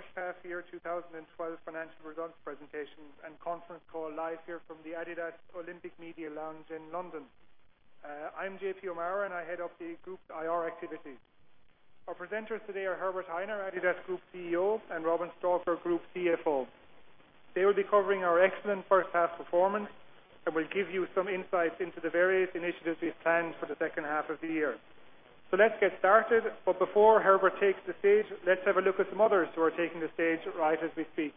To our first half year 2012 financial results presentation and conference call live here from the adidas Olympic Media Lounge in London. I'm John-Paul O'Meara, and I head up the group IR activity. Our presenters today are Herbert Hainer, adidas Group CEO, and Robin Stalker, Group CFO. They will be covering our excellent first half performance and will give you some insights into the various initiatives we have planned for the second half of the year. Let's get started. Before Herbert takes the stage, let's have a look at some others who are taking the stage right as we speak.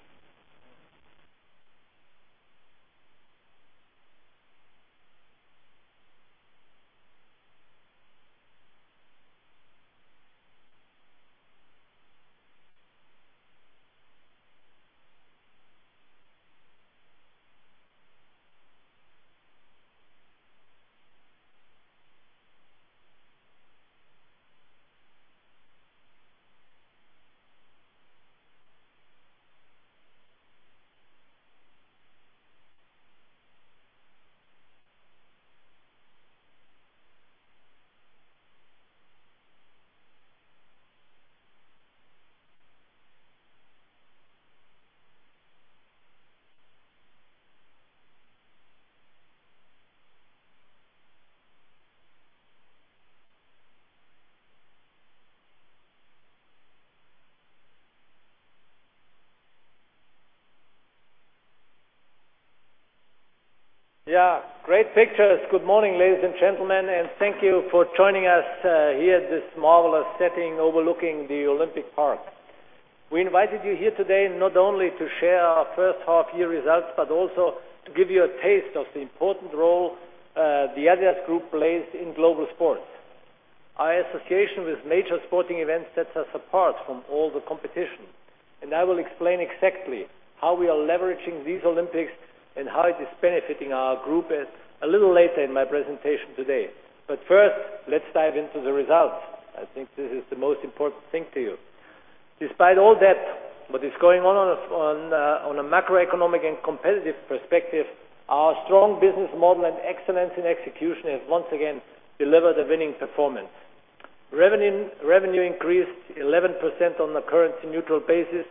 Great pictures. Good morning, ladies and gentlemen, and thank you for joining us here at this marvelous setting overlooking the Olympic Park. We invited you here today not only to share our first half year results, but also to give you a taste of the important role the adidas Group plays in global sports. Our association with major sporting events sets us apart from all the competition, and I will explain exactly how we are leveraging these Olympics and how it is benefiting our group a little later in my presentation today. First, let's dive into the results. I think this is the most important thing to you. Despite all that, what is going on a macroeconomic and competitive perspective, our strong business model and excellence in execution has once again delivered a winning performance. Revenue increased 11% on a currency-neutral basis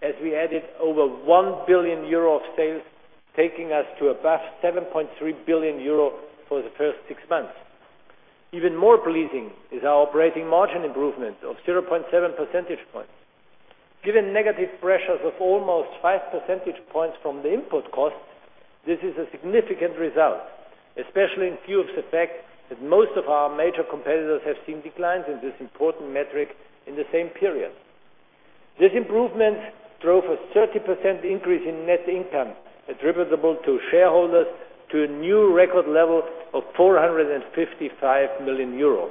as we added over 1 billion euro of sales, taking us to above 7.3 billion euro for the first six months. Even more pleasing is our operating margin improvement of 0.7 percentage points. Given negative pressures of almost five percentage points from the input costs, this is a significant result, especially in view of the fact that most of our major competitors have seen declines in this important metric in the same period. This improvement drove a 30% increase in net income attributable to shareholders to a new record level of 455 million euro.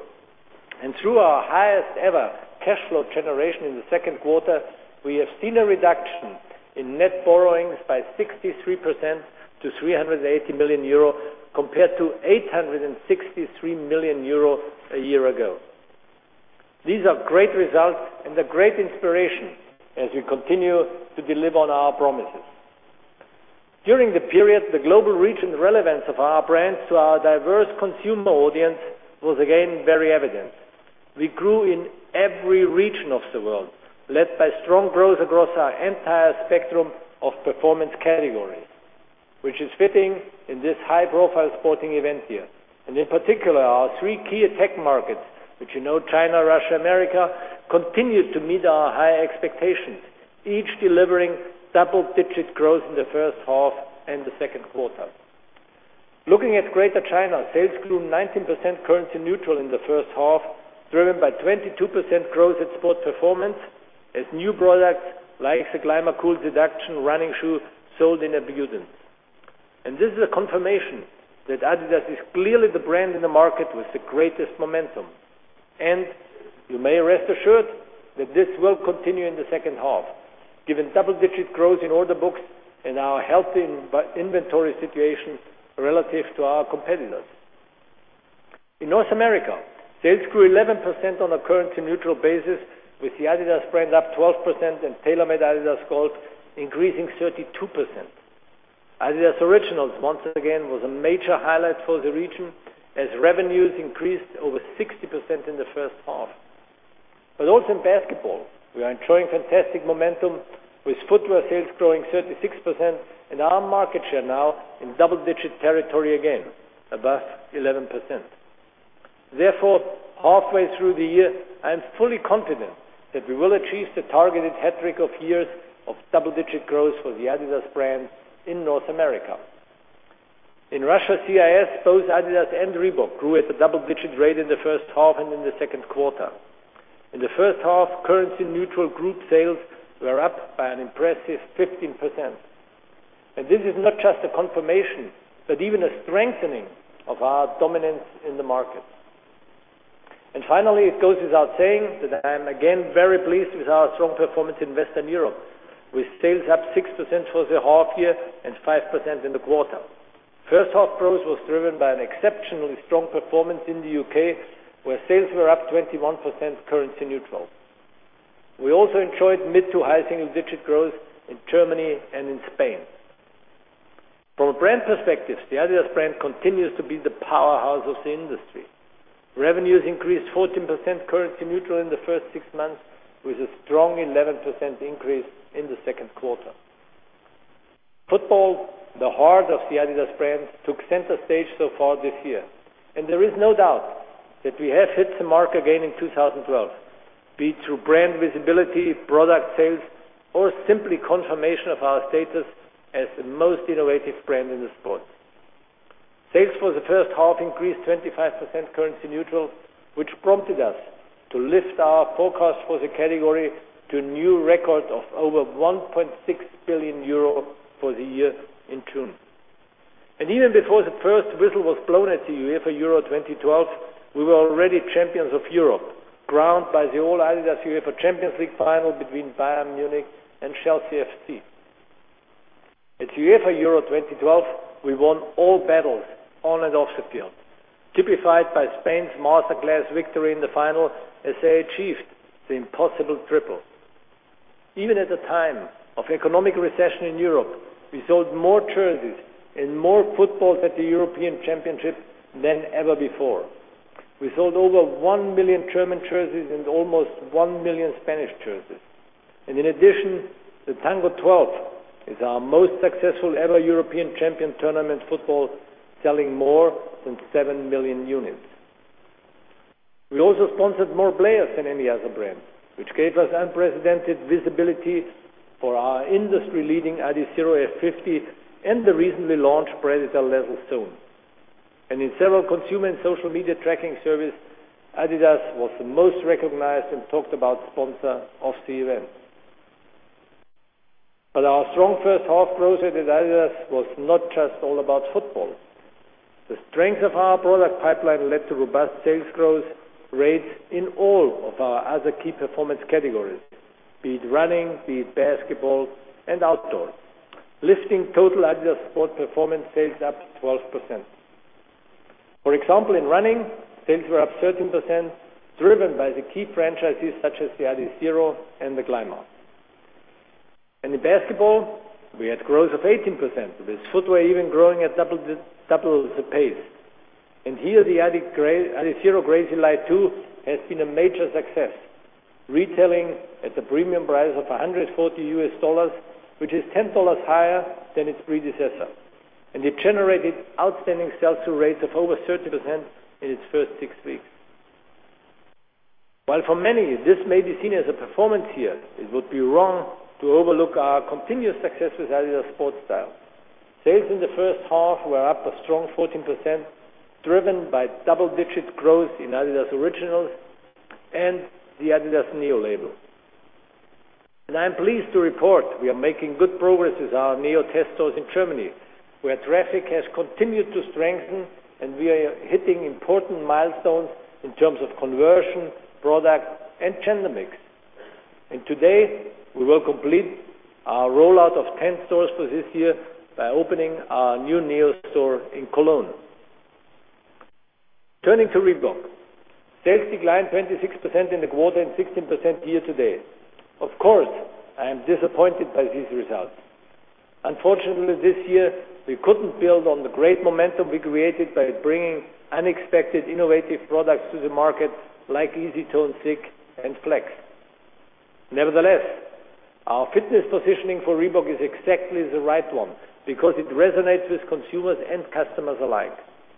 Through our highest-ever cash flow generation in the second quarter, we have seen a reduction in net borrowings by 63% to 318 million euro, compared to 863 million euro a year ago. These are great results and a great inspiration as we continue to deliver on our promises. During the period, the global reach and relevance of our brand to our diverse consumer audience was again very evident. We grew in every region of the world, led by strong growth across our entire spectrum of performance categories, which is fitting in this high-profile sporting event here. In particular, our three key attack markets, which you know, China, Russia, America, continued to meet our high expectations, each delivering double-digit growth in the first half and the second quarter. Looking at Greater China, sales grew 19% currency-neutral in the first half, driven by 22% growth at adidas Sport Performance as new products like the ClimaCool Revolution running shoe sold in abundance. This is a confirmation that adidas is clearly the brand in the market with the greatest momentum. You may rest assured that this will continue in the second half, given double-digit growth in order books and our healthy inventory situation relative to our competitors. In North America, sales grew 11% on a currency-neutral basis, with the adidas brand up 12% and TaylorMade-adidas Golf increasing 32%. adidas Originals once again was a major highlight for the region as revenues increased over 60% in the first half. Also in basketball, we are enjoying fantastic momentum with footwear sales growing 36% and our market share now in double-digit territory again, above 11%. Halfway through the year, I am fully confident that we will achieve the targeted hat trick of years of double-digit growth for the adidas brand in North America. In Russia, CIS, both adidas and Reebok grew at a double-digit rate in the first half and in the second quarter. In the first half, currency-neutral group sales were up by an impressive 15%. This is not just a confirmation, but even a strengthening of our dominance in the market. Finally, it goes without saying that I am again very pleased with our strong performance in Western Europe, with sales up 6% for the half year and 5% in the quarter. First half growth was driven by an exceptionally strong performance in the U.K., where sales were up 21% currency-neutral. We also enjoyed mid to high single-digit growth in Germany and in Spain. From a brand perspective, the adidas brand continues to be the powerhouse of the industry. Revenues increased 14% currency-neutral in the first six months, with a strong 11% increase in the second quarter. Football, the heart of the adidas brand, took center stage so far this year, there is no doubt that we have hit the mark again in 2012. Be it through brand visibility, product sales, or simply confirmation of our status as the most innovative brand in the sport. Sales for the first half increased 25% currency-neutral, which prompted us to lift our forecast for the category to a new record of over 1.6 billion euro for the year in June. Even before the first whistle was blown at the UEFA Euro 2012, we were already champions of Europe, crowned by the all adidas UEFA Champions League final between Bayern Munich and Chelsea FC. At UEFA Euro 2012, we won all battles on and off the field, typified by Spain's master class victory in the final, as they achieved the impossible triple. Even at the time of economic recession in Europe, we sold more jerseys and more footballs at the European Championship than ever before. We sold over 1 million German jerseys and almost 1 million Spanish jerseys. In addition, the Tango 12 is our most successful ever European Champion Tournament football, selling more than 7 million units. We also sponsored more players than any other brand, which gave us unprecedented visibility for our industry-leading Adizero F50 and the recently launched Predator Lethal Zones. In several consumer and social media tracking service, adidas was the most recognized and talked about sponsor of the event. Our strong first half growth at adidas was not just all about football. The strength of our product pipeline led to robust sales growth rates in all of our other key performance categories, be it running, be it basketball and outdoors, lifting total adidas Sport Performance sales up 12%. For example, in running, sales were up 13%, driven by the key franchises such as the Adizero and the Clima. In basketball, we had growth of 18%, with footwear even growing at double the pace. Here, the Adizero Crazy Light 2 has been a major success, retailing at the premium price of $140, which is $10 higher than its predecessor, and it generated outstanding sell-through rates of over 30% in its first six weeks. While for many, this may be seen as a performance year, it would be wrong to overlook our continued success with adidas Sport Style. Sales in the first half were up a strong 14%, driven by double-digit growth in adidas Originals and the adidas NEO Label. I am pleased to report we are making good progress with our NEO test stores in Germany, where traffic has continued to strengthen, and we are hitting important milestones in terms of conversion, product, and gender mix. Today, we will complete our rollout of 10 stores for this year by opening our new NEO store in Cologne. Turning to Reebok. Sales declined 26% in the quarter and 16% year-to-date. Of course, I am disappointed by these results. Unfortunately, this year, we couldn't build on the great momentum we created by bringing unexpected innovative products to the market like EasyTone, ZigTech, and RealFlex. Nevertheless, our fitness positioning for Reebok is exactly the right one because it resonates with consumers and customers alike.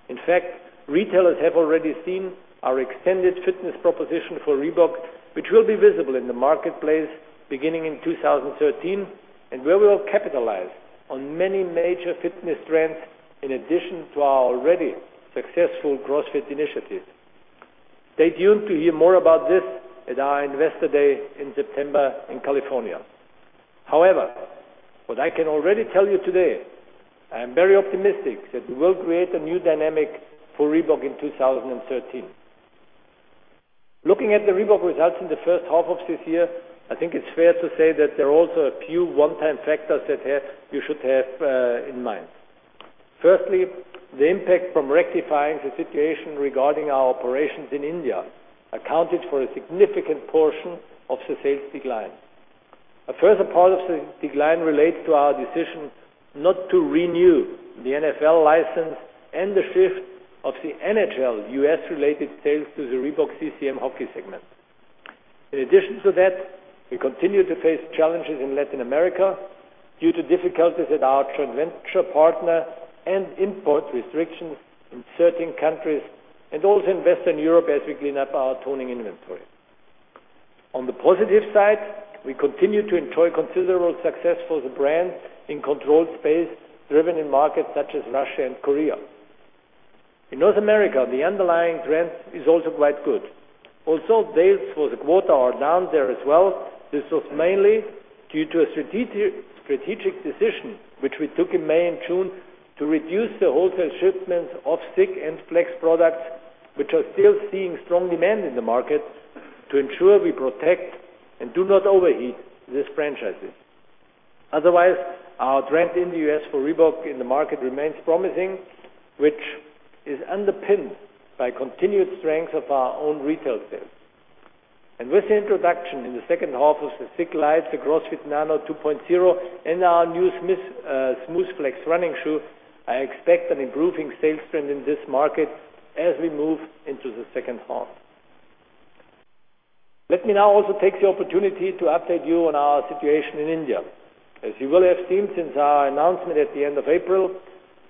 In fact, retailers have already seen our extended fitness proposition for Reebok, which will be visible in the marketplace beginning in 2013, and where we will capitalize on many major fitness trends in addition to our already successful CrossFit initiative. Stay tuned to hear more about this at our Investor Day in September in California. However, what I can already tell you today, I am very optimistic that we will create a new dynamic for Reebok in 2013. Looking at the Reebok results in the first half of this year, I think it's fair to say that there are also a few one-time factors that you should have in mind. Firstly, the impact from rectifying the situation regarding our operations in India accounted for a significant portion of the sales decline. A further part of the decline relates to our decision not to renew the NFL license and the shift of the NHL U.S.-related sales to the Reebok-CCM Hockey segment. In addition to that, we continue to face challenges in Latin America due to difficulties with our joint venture partner and import restrictions in certain countries, and also in Western Europe as we clean up our toning inventory. On the positive side, we continue to enjoy considerable success for the brand in controlled space, driven in markets such as Russia and Korea. In North America, the underlying trend is also quite good. Although sales for the quarter are down there as well, this was mainly due to a strategic decision, which we took in May and June, to reduce the wholesale shipments of SIGG and Flex products, which are still seeing strong demand in the market, to ensure we protect and do not overheat these franchises. Otherwise, our trend in the U.S. for Reebok in the market remains promising, which is underpinned by continued strength of our own retail sales. With the introduction in the second half of the Thigh Light, the CrossFit Nano 2.0, and our new SmoothFlex running shoe, I expect an improving sales trend in this market as we move into the second half. Let me now also take the opportunity to update you on our situation in India. As you will have seen since our announcement at the end of April,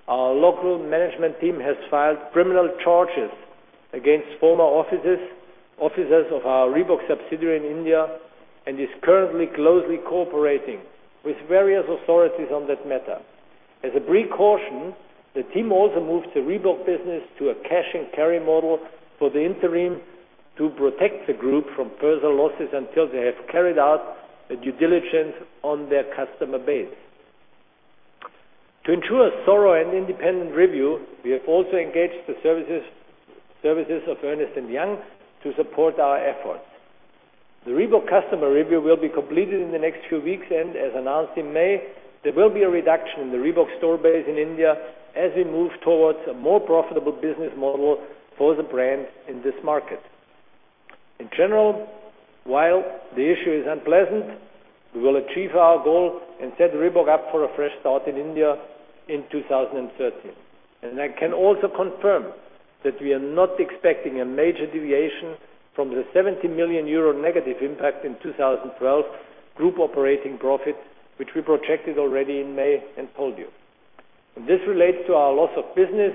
our local management team has filed criminal charges against former officers of our Reebok subsidiary in India, and is currently closely cooperating with various authorities on that matter. As a precaution, the team also moved the Reebok business to a cash and carry model for the interim to protect the Group from further losses until they have carried out the due diligence on their customer base. To ensure a thorough and independent review, we have also engaged the services of Ernst & Young to support our efforts. The Reebok customer review will be completed in the next few weeks, and as announced in May, there will be a reduction in the Reebok store base in India as we move towards a more profitable business model for the brand in this market. In general, while the issue is unpleasant, we will achieve our goal and set Reebok up for a fresh start in India in 2013. I can also confirm that we are not expecting a major deviation from the 70 million euro negative impact in 2012 Group operating profit, which we projected already in May and told you. This relates to our loss of business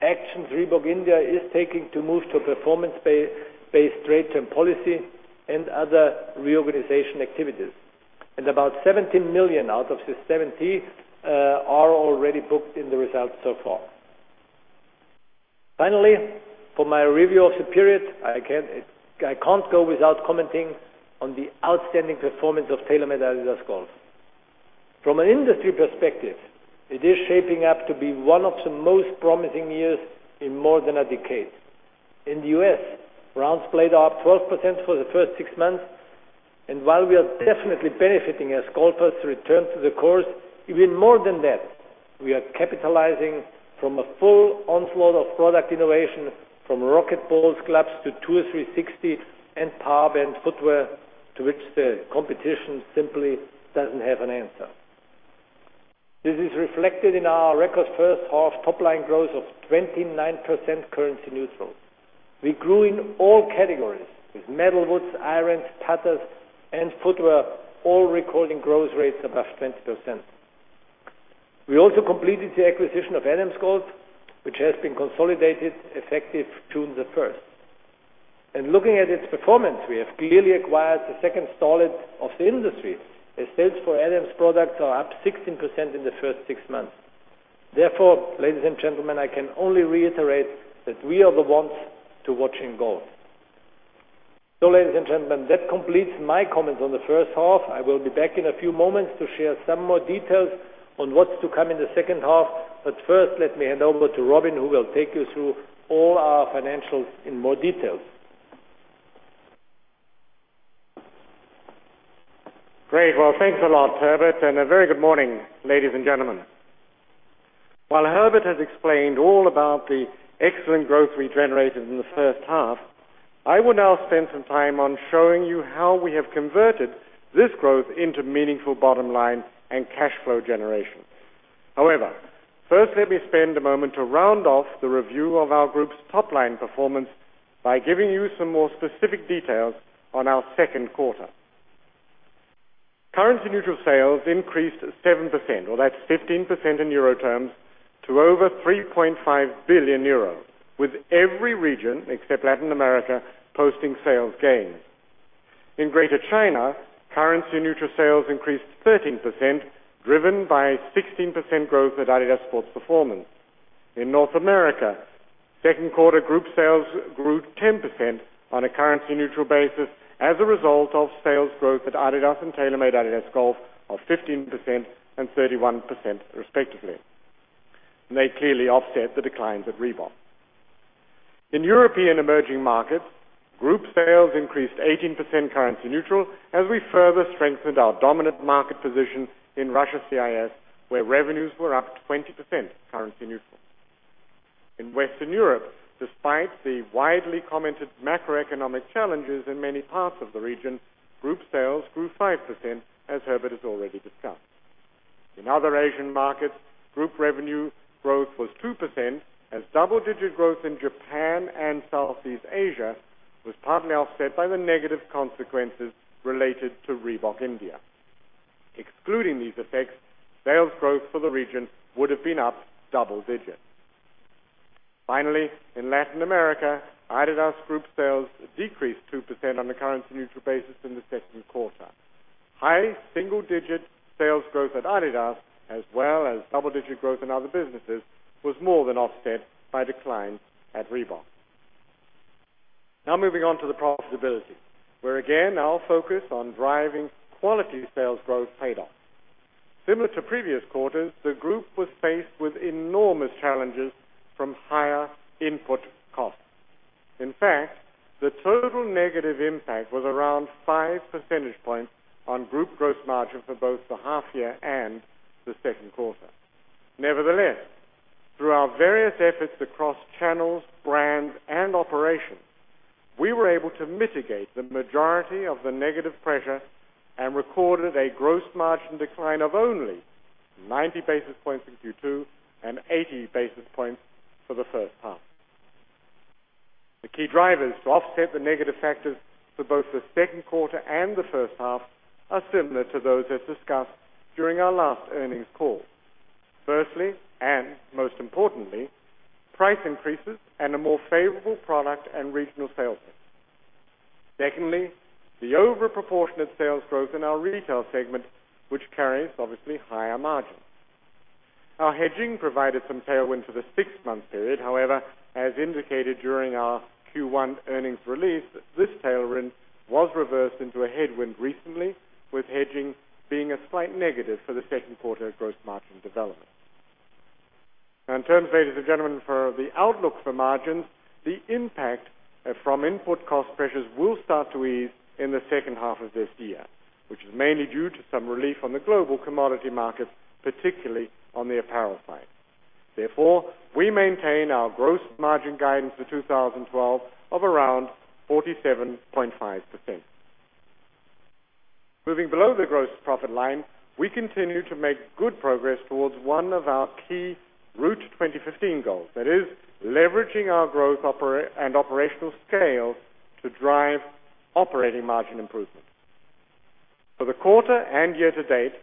actions Reebok India is taking to move to a performance-based rate and policy and other reorganization activities. About 17 million out of the 70 million are already booked in the results so far. Finally, for my review of the period, I cannot go without commenting on the outstanding performance of TaylorMade-adidas Golf. From an industry perspective, it is shaping up to be one of the most promising years in more than a decade. In the U.S., rounds played are up 12% for the first six months. While we are definitely benefiting as golfers return to the course, even more than that, we are capitalizing from a full onslaught of product innovation, from RocketBallz clubs to Tour360 and Powerband footwear, to which the competition simply does not have an answer. This is reflected in our record first half top line growth of 29% currency-neutral. We grew in all categories, with metalwoods, irons, putters, and footwear all recording growth rates above 20%. We also completed the acquisition of Adams Golf, which has been consolidated effective June 1st. Looking at its performance, we have clearly acquired the second solid of the industry, as sales for Adams products are up 16% in the first six months. Ladies and gentlemen, I can only reiterate that we are the ones to watch in golf. Ladies and gentlemen, that completes my comments on the first half. I will be back in a few moments to share some more details on what's to come in the second half. First, let me hand over to Robin, who will take you through all our financials in more detail. Great. Well, thanks a lot, Herbert, and a very good morning, ladies and gentlemen. While Herbert has explained all about the excellent growth we generated in the first half, I will now spend some time on showing you how we have converted this growth into meaningful bottom line and cash flow generation. First, let me spend a moment to round off the review of our group's top line performance by giving you some more specific details on our second quarter. Currency-neutral sales increased 7%, or that's 15% in EUR terms, to over 3.5 billion euro, with every region, except Latin America, posting sales gains. In Greater China, currency-neutral sales increased 13%, driven by 16% growth at adidas Sport Performance. In North America, second quarter group sales grew 10% on a currency-neutral basis as a result of sales growth at adidas and TaylorMade-adidas Golf of 15% and 31% respectively. They clearly offset the declines at Reebok. In European emerging markets, group sales increased 18% currency-neutral as we further strengthened our dominant market position in Russia CIS, where revenues were up 20% currency-neutral. In Western Europe, despite the widely commented macroeconomic challenges in many parts of the region, group sales grew 5%, as Herbert has already discussed. In other Asian markets, group revenue growth was 2% as double-digit growth in Japan and Southeast Asia was partly offset by the negative consequences related to Reebok India. Excluding these effects, sales growth for the region would have been up double digits. Finally, in Latin America, adidas group sales decreased 2% on a currency-neutral basis in the second quarter. High single-digit sales growth at adidas, as well as double-digit growth in other businesses, was more than offset by decline at Reebok. Moving on to the profitability, where again, our focus on driving quality sales growth paid off. Similar to previous quarters, the group was faced with enormous challenges from higher input costs. In fact, the total negative impact was around five percentage points on group gross margin for both the half year and the second quarter. Through our various efforts across channels, brands, and operations, we were able to mitigate the majority of the negative pressure and recorded a gross margin decline of only 90 basis points in Q2 and 80 basis points for the first half. The key drivers to offset the negative factors for both the second quarter and the first half are similar to those as discussed during our last earnings call. Firstly, most importantly, price increases and a more favorable product and regional sales mix. Secondly, the overproportionate sales growth in our retail segment, which carries obviously higher margins. Our hedging provided some tailwind for the six-month period. However, as indicated during our Q1 earnings release, this tailwind was reversed into a headwind recently, with hedging being a slight negative for the second quarter gross margin development. In turn, ladies and gentlemen, for the outlook for margins, the impact from input cost pressures will start to ease in the second half of this year, which is mainly due to some relief on the global commodity markets, particularly on the apparel side. We maintain our gross margin guidance for 2012 of around 47.5%. Moving below the gross profit line, we continue to make good progress towards one of our key Route 2015 goals. That is leveraging our growth and operational scale to drive operating margin improvement. For the quarter and year to date,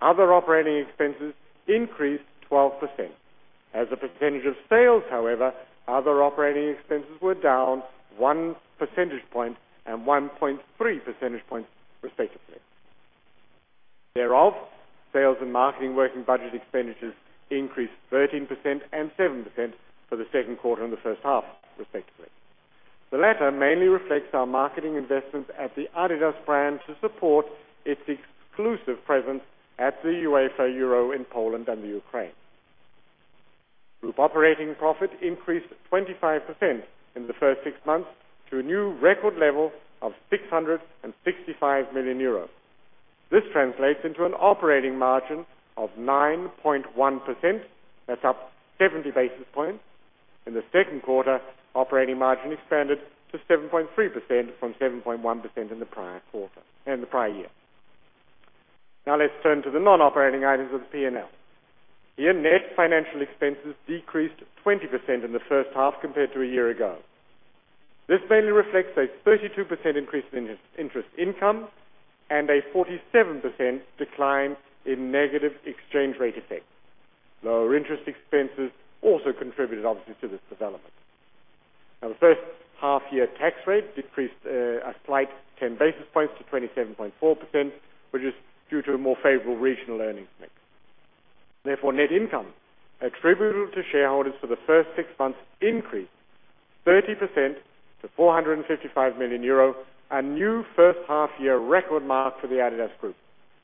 other operating expenses increased 12%. As a percentage of sales, however, other operating expenses were down one percentage point and 1.3 percentage points, respectively. Thereof, sales and marketing working budget expenditures increased 13% and 7% for the second quarter and the first half, respectively. The latter mainly reflects our marketing investments at the adidas brand to support its exclusive presence at the UEFA Euro in Poland and Ukraine. Group operating profit increased 25% in the first six months to a new record level of 665 million euros. This translates into an operating margin of 9.1%. That's up 70 basis points. In the second quarter, operating margin expanded to 7.3% from 7.1% in the prior year. Let's turn to the non-operating items of the P&L. Net financial expenses decreased 20% in the first half compared to a year ago. This mainly reflects a 32% increase in interest income and a 47% decline in negative exchange rate effects. Lower interest expenses also contributed obviously to this development. The first half-year tax rate decreased a slight 10 basis points to 27.4%, which is due to a more favorable regional earnings mix. Net income attributable to shareholders for the first six months increased 30% to 455 million euro, a new first-half-year record mark for the adidas Group,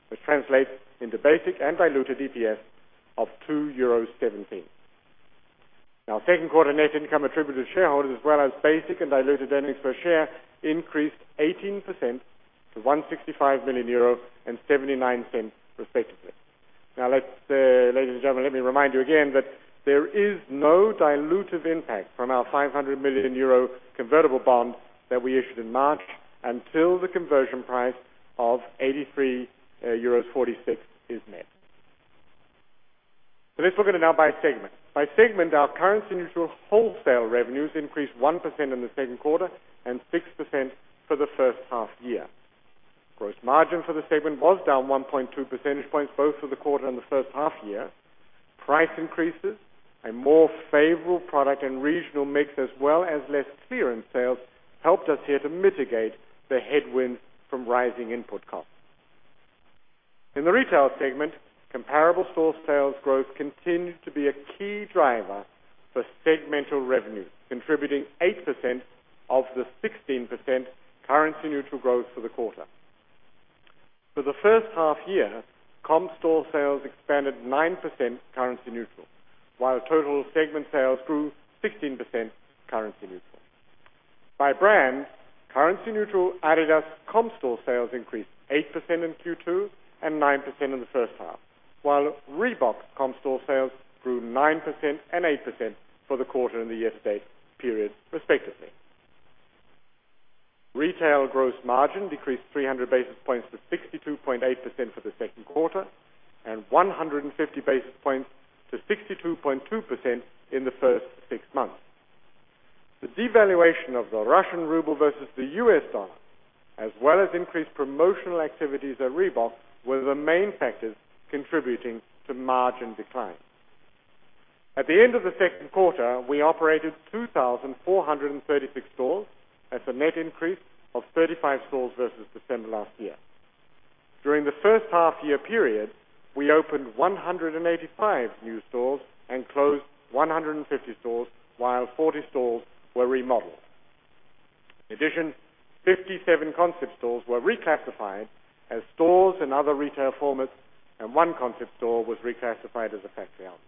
which translates into basic and diluted EPS of 2.17 euros. Second quarter net income attributed to shareholders as well as basic and diluted earnings per share increased 18% to 165 million euro and 0.79, respectively. Ladies and gentlemen, let me remind you again that there is no dilutive impact from our 500 million euro convertible bond that we issued in March until the conversion price of 83.46 euros is met. Let's look at it now by segment. By segment, our currency-neutral wholesale revenues increased 1% in the second quarter and 6% for the first half-year. Gross margin for the segment was down 1.2 percentage points both for the quarter and the first half-year. Price increases, a more favorable product, and regional mix, as well as less clearance sales, helped us here to mitigate the headwind from rising input costs. In the retail segment, Comparable store sales growth continued to be a key driver for segmental revenue, contributing 8% of the 16% currency-neutral growth for the quarter. For the first half-year, Comparable store sales expanded 9% currency-neutral, while total segment sales grew 16% currency-neutral. By brand, currency-neutral adidas Comparable store sales increased 8% in Q2 and 9% in the first half, while Reebok Comparable store sales grew 9% and 8% for the quarter and the year-to-date period, respectively. Retail gross margin decreased 300 basis points to 62.8% for the second quarter and 150 basis points to 62.2% in the first six months. The devaluation of the Russian ruble versus the U.S. dollar, as well as increased promotional activities at Reebok, were the main factors contributing to margin decline. At the end of the second quarter, we operated 2,436 stores. That's a net increase of 35 stores versus December last year. During the first half-year period, we opened 185 new stores and closed 150 stores, while 40 stores were remodeled. In addition, 57 concept stores were reclassified as stores and other retail formats, and one concept store was reclassified as a factory outlet.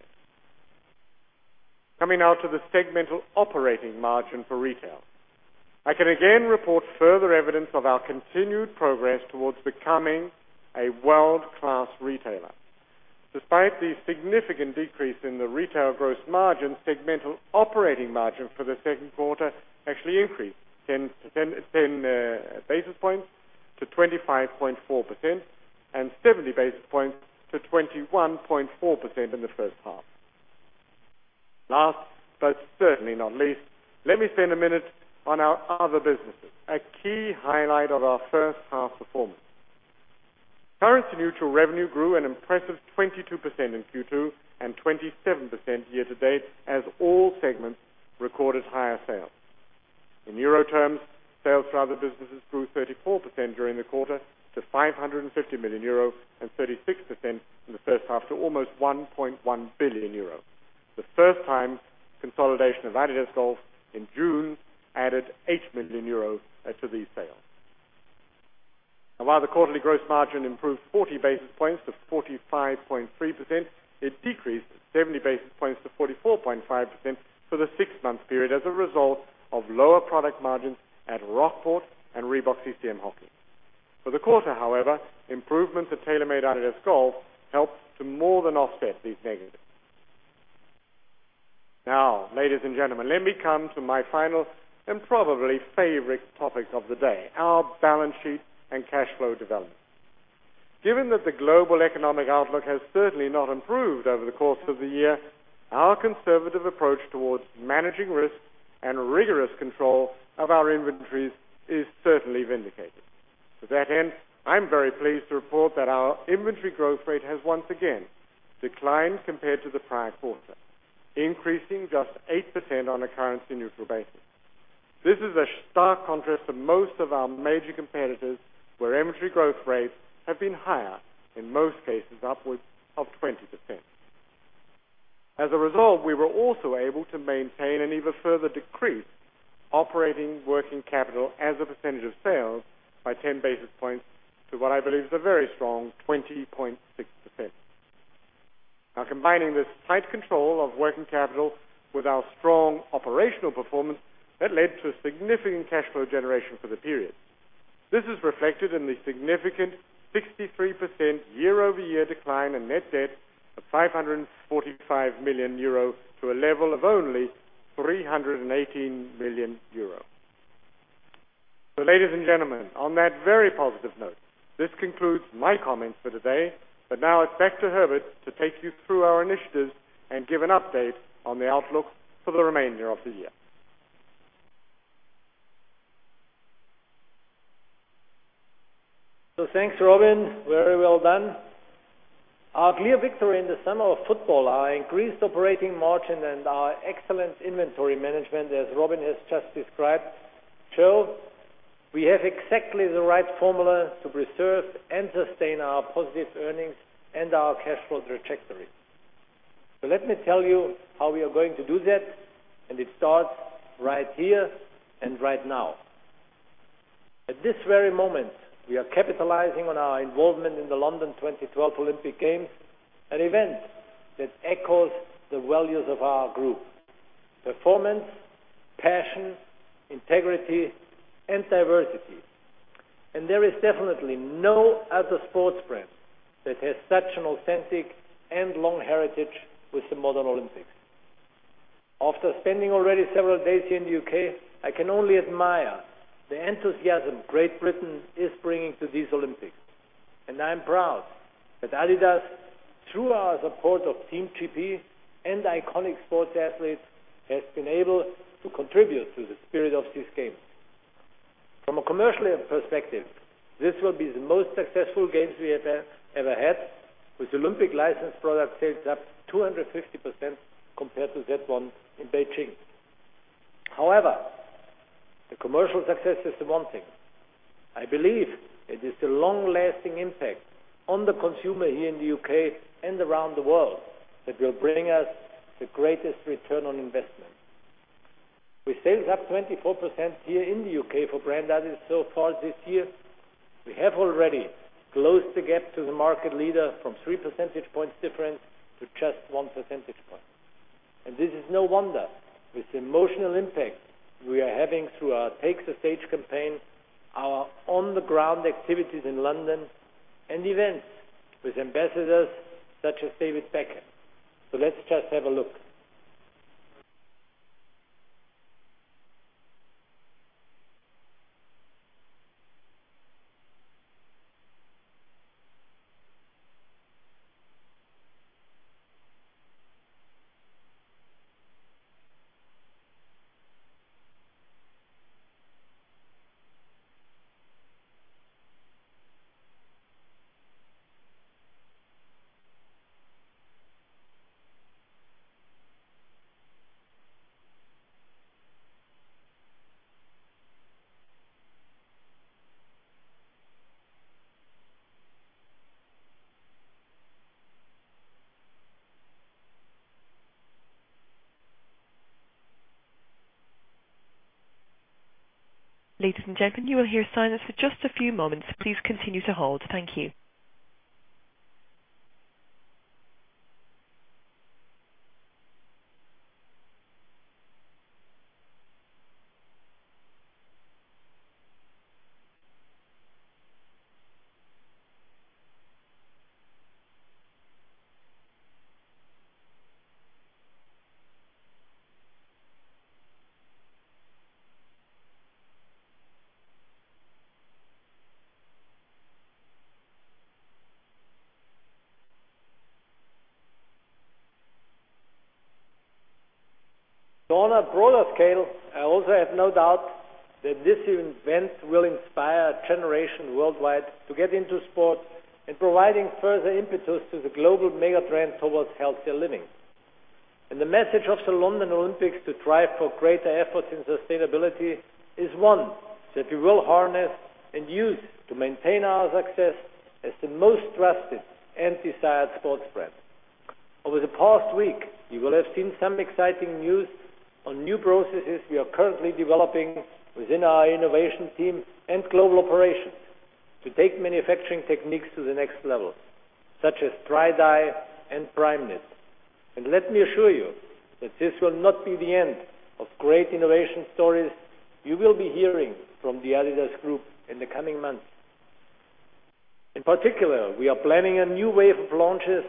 Coming to the segmental operating margin for retail. I can again report further evidence of our continued progress towards becoming a world-class retailer. Despite the significant decrease in the retail gross margin, segmental operating margin for the second quarter actually increased 10 basis points to 25.4% and 70 basis points to 21.4% in the first half. Last, certainly not least, let me spend a minute on our other businesses, a key highlight of our first half performance. Currency-neutral revenue grew an impressive 22% in Q2 and 27% year-to-date as all segments recorded higher sales. In euro terms, sales to other businesses grew 34% during the quarter to 550 million euro and 36% in the first half to almost 1.1 billion euro. The first-time consolidation of adidas Golf in June added 8 million euro to these sales. While the quarterly gross margin improved 40 basis points to 45.3%, it decreased 70 basis points to 44.5% for the six-month period as a result of lower product margins at Rockport and Reebok-CCM Hockey. For the quarter, however, improvements at TaylorMade-adidas Golf helped to more than offset these negatives. Ladies and gentlemen, let me come to my final and probably favorite topic of the day, our balance sheet and cash flow development. Given that the global economic outlook has certainly not improved over the course of the year, our conservative approach towards managing risk and rigorous control of our inventories is certainly vindicated. To that end, I'm very pleased to report that our inventory growth rate has once again declined compared to the prior quarter, increasing just 8% on a currency-neutral basis. This is a stark contrast to most of our major competitors, where inventory growth rates have been higher, in most cases upwards of 20%. As a result, we were also able to maintain an even further decrease operating working capital as a percentage of sales by 10 basis points to what I believe is a very strong 20.6%. Combining this tight control of working capital with our strong operational performance, that led to a significant cash flow generation for the period. This is reflected in the significant 63% year-over-year decline in net debt of 545 million euro to a level of only 318 million euro. Ladies and gentlemen, on that very positive note, this concludes my comments for today. Now it's back to Herbert to take you through our initiatives and give an update on the outlook for the remainder of the year. Thanks, Robin. Very well done. Our clear victory in the summer of football, our increased operating margin, and our excellent inventory management, as Robin has just described, show we have exactly the right formula to preserve and sustain our positive earnings and our cash flow trajectory. Let me tell you how we are going to do that, and it starts right here and right now. At this very moment, we are capitalizing on our involvement in the London 2012 Olympic Games, an event that echoes the values of our group: performance, passion, integrity, and diversity. There is definitely no other sports brand that has such an authentic and long heritage with the modern Olympics. After spending already several days here in the U.K., I can only admire the enthusiasm Great Britain is bringing to these Olympics, and I am proud that adidas, through our support of Team GB and iconic sports athletes, has been able to contribute to the spirit of this game. From a commercial perspective, this will be the most successful games we have ever had with Olympic licensed product sales up 250% compared to that one in Beijing. However, the commercial success is the one thing. I believe it is the long-lasting impact on the consumer here in the U.K. and around the world that will bring us the greatest return on investment. With sales up 24% here in the U.K. for brand adidas so far this year, we have already closed the gap to the market leader from three percentage points difference to just one percentage point. This is no wonder with the emotional impact we are having through our Take the Stage campaign, our on-the-ground activities in London, and events with ambassadors such as David Beckham. Let's just have a look. Ladies and gentlemen, you will hear silence for just a few moments. Please continue to hold. Thank you. On a broader scale, I also have no doubt that this event will inspire a generation worldwide to get into sport and providing further impetus to the global mega-trend towards healthier living. The message of the London Olympics to drive for greater efforts in sustainability is one that we will harness and use to maintain our success as the most trusted and desired sports brand. Over the past week, you will have seen some exciting news on new processes we are currently developing within our innovation team and global operations to take manufacturing techniques to the next level, such as Primeknit and Primeblue. Let me assure you that this will not be the end of great innovation stories you will be hearing from the adidas Group in the coming months. In particular, we are planning a new wave of launches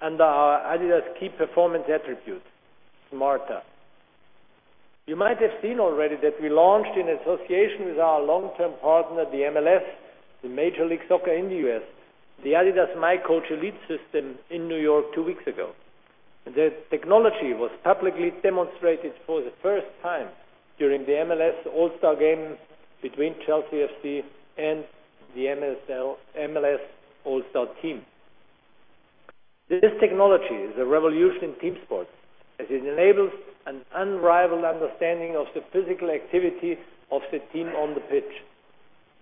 under our adidas key performance attribute, Smarter. You might have seen already that we launched in association with our long-term partner, the MLS, the Major League Soccer in the U.S., the adidas miCoach Elite System in New York two weeks ago. The technology was publicly demonstrated for the first time during the MLS All-Star Game between Chelsea FC and the MLS All-Star Team. This technology is a revolution in team sports as it enables an unrivaled understanding of the physical activity of the team on the pitch.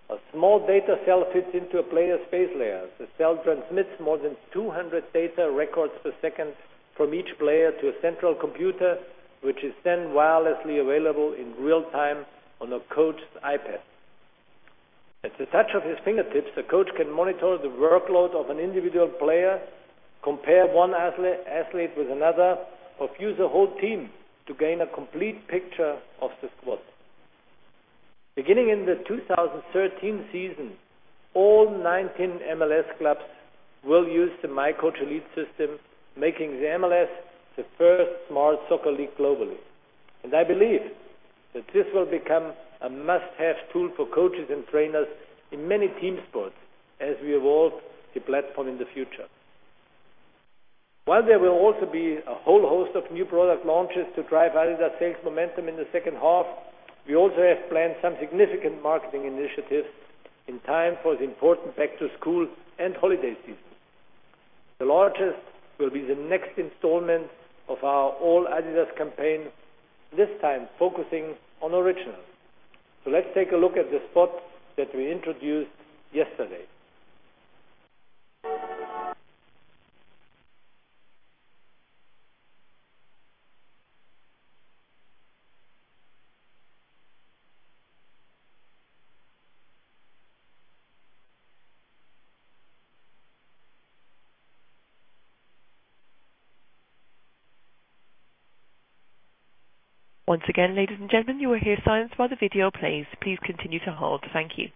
A small data cell fits into a player's base layer. The cell transmits more than 200 data records per second from each player to a central computer, which is then wirelessly available in real time on a coach's iPad. At the touch of his fingertips, a coach can monitor the workload of an individual player, compare one athlete with another, or view the whole team to gain a complete picture of the squad. Beginning in the 2013 season, all 19 MLS clubs will use the miCoach Elite System, making the MLS the first smart soccer league globally. I believe that this will become a must-have tool for coaches and trainers in many team sports as we evolve the platform in the future. While there will also be a whole host of new product launches to drive adidas sales momentum in the second half, we also have planned some significant marketing initiatives in time for the important back-to-school and holiday season. The largest will be the next installment of our all adidas campaign, this time focusing on Originals. Let's take a look at the spot that we introduced yesterday. Once again, ladies and gentlemen, you will hear silence while the video plays. Please continue to hold. Thank you.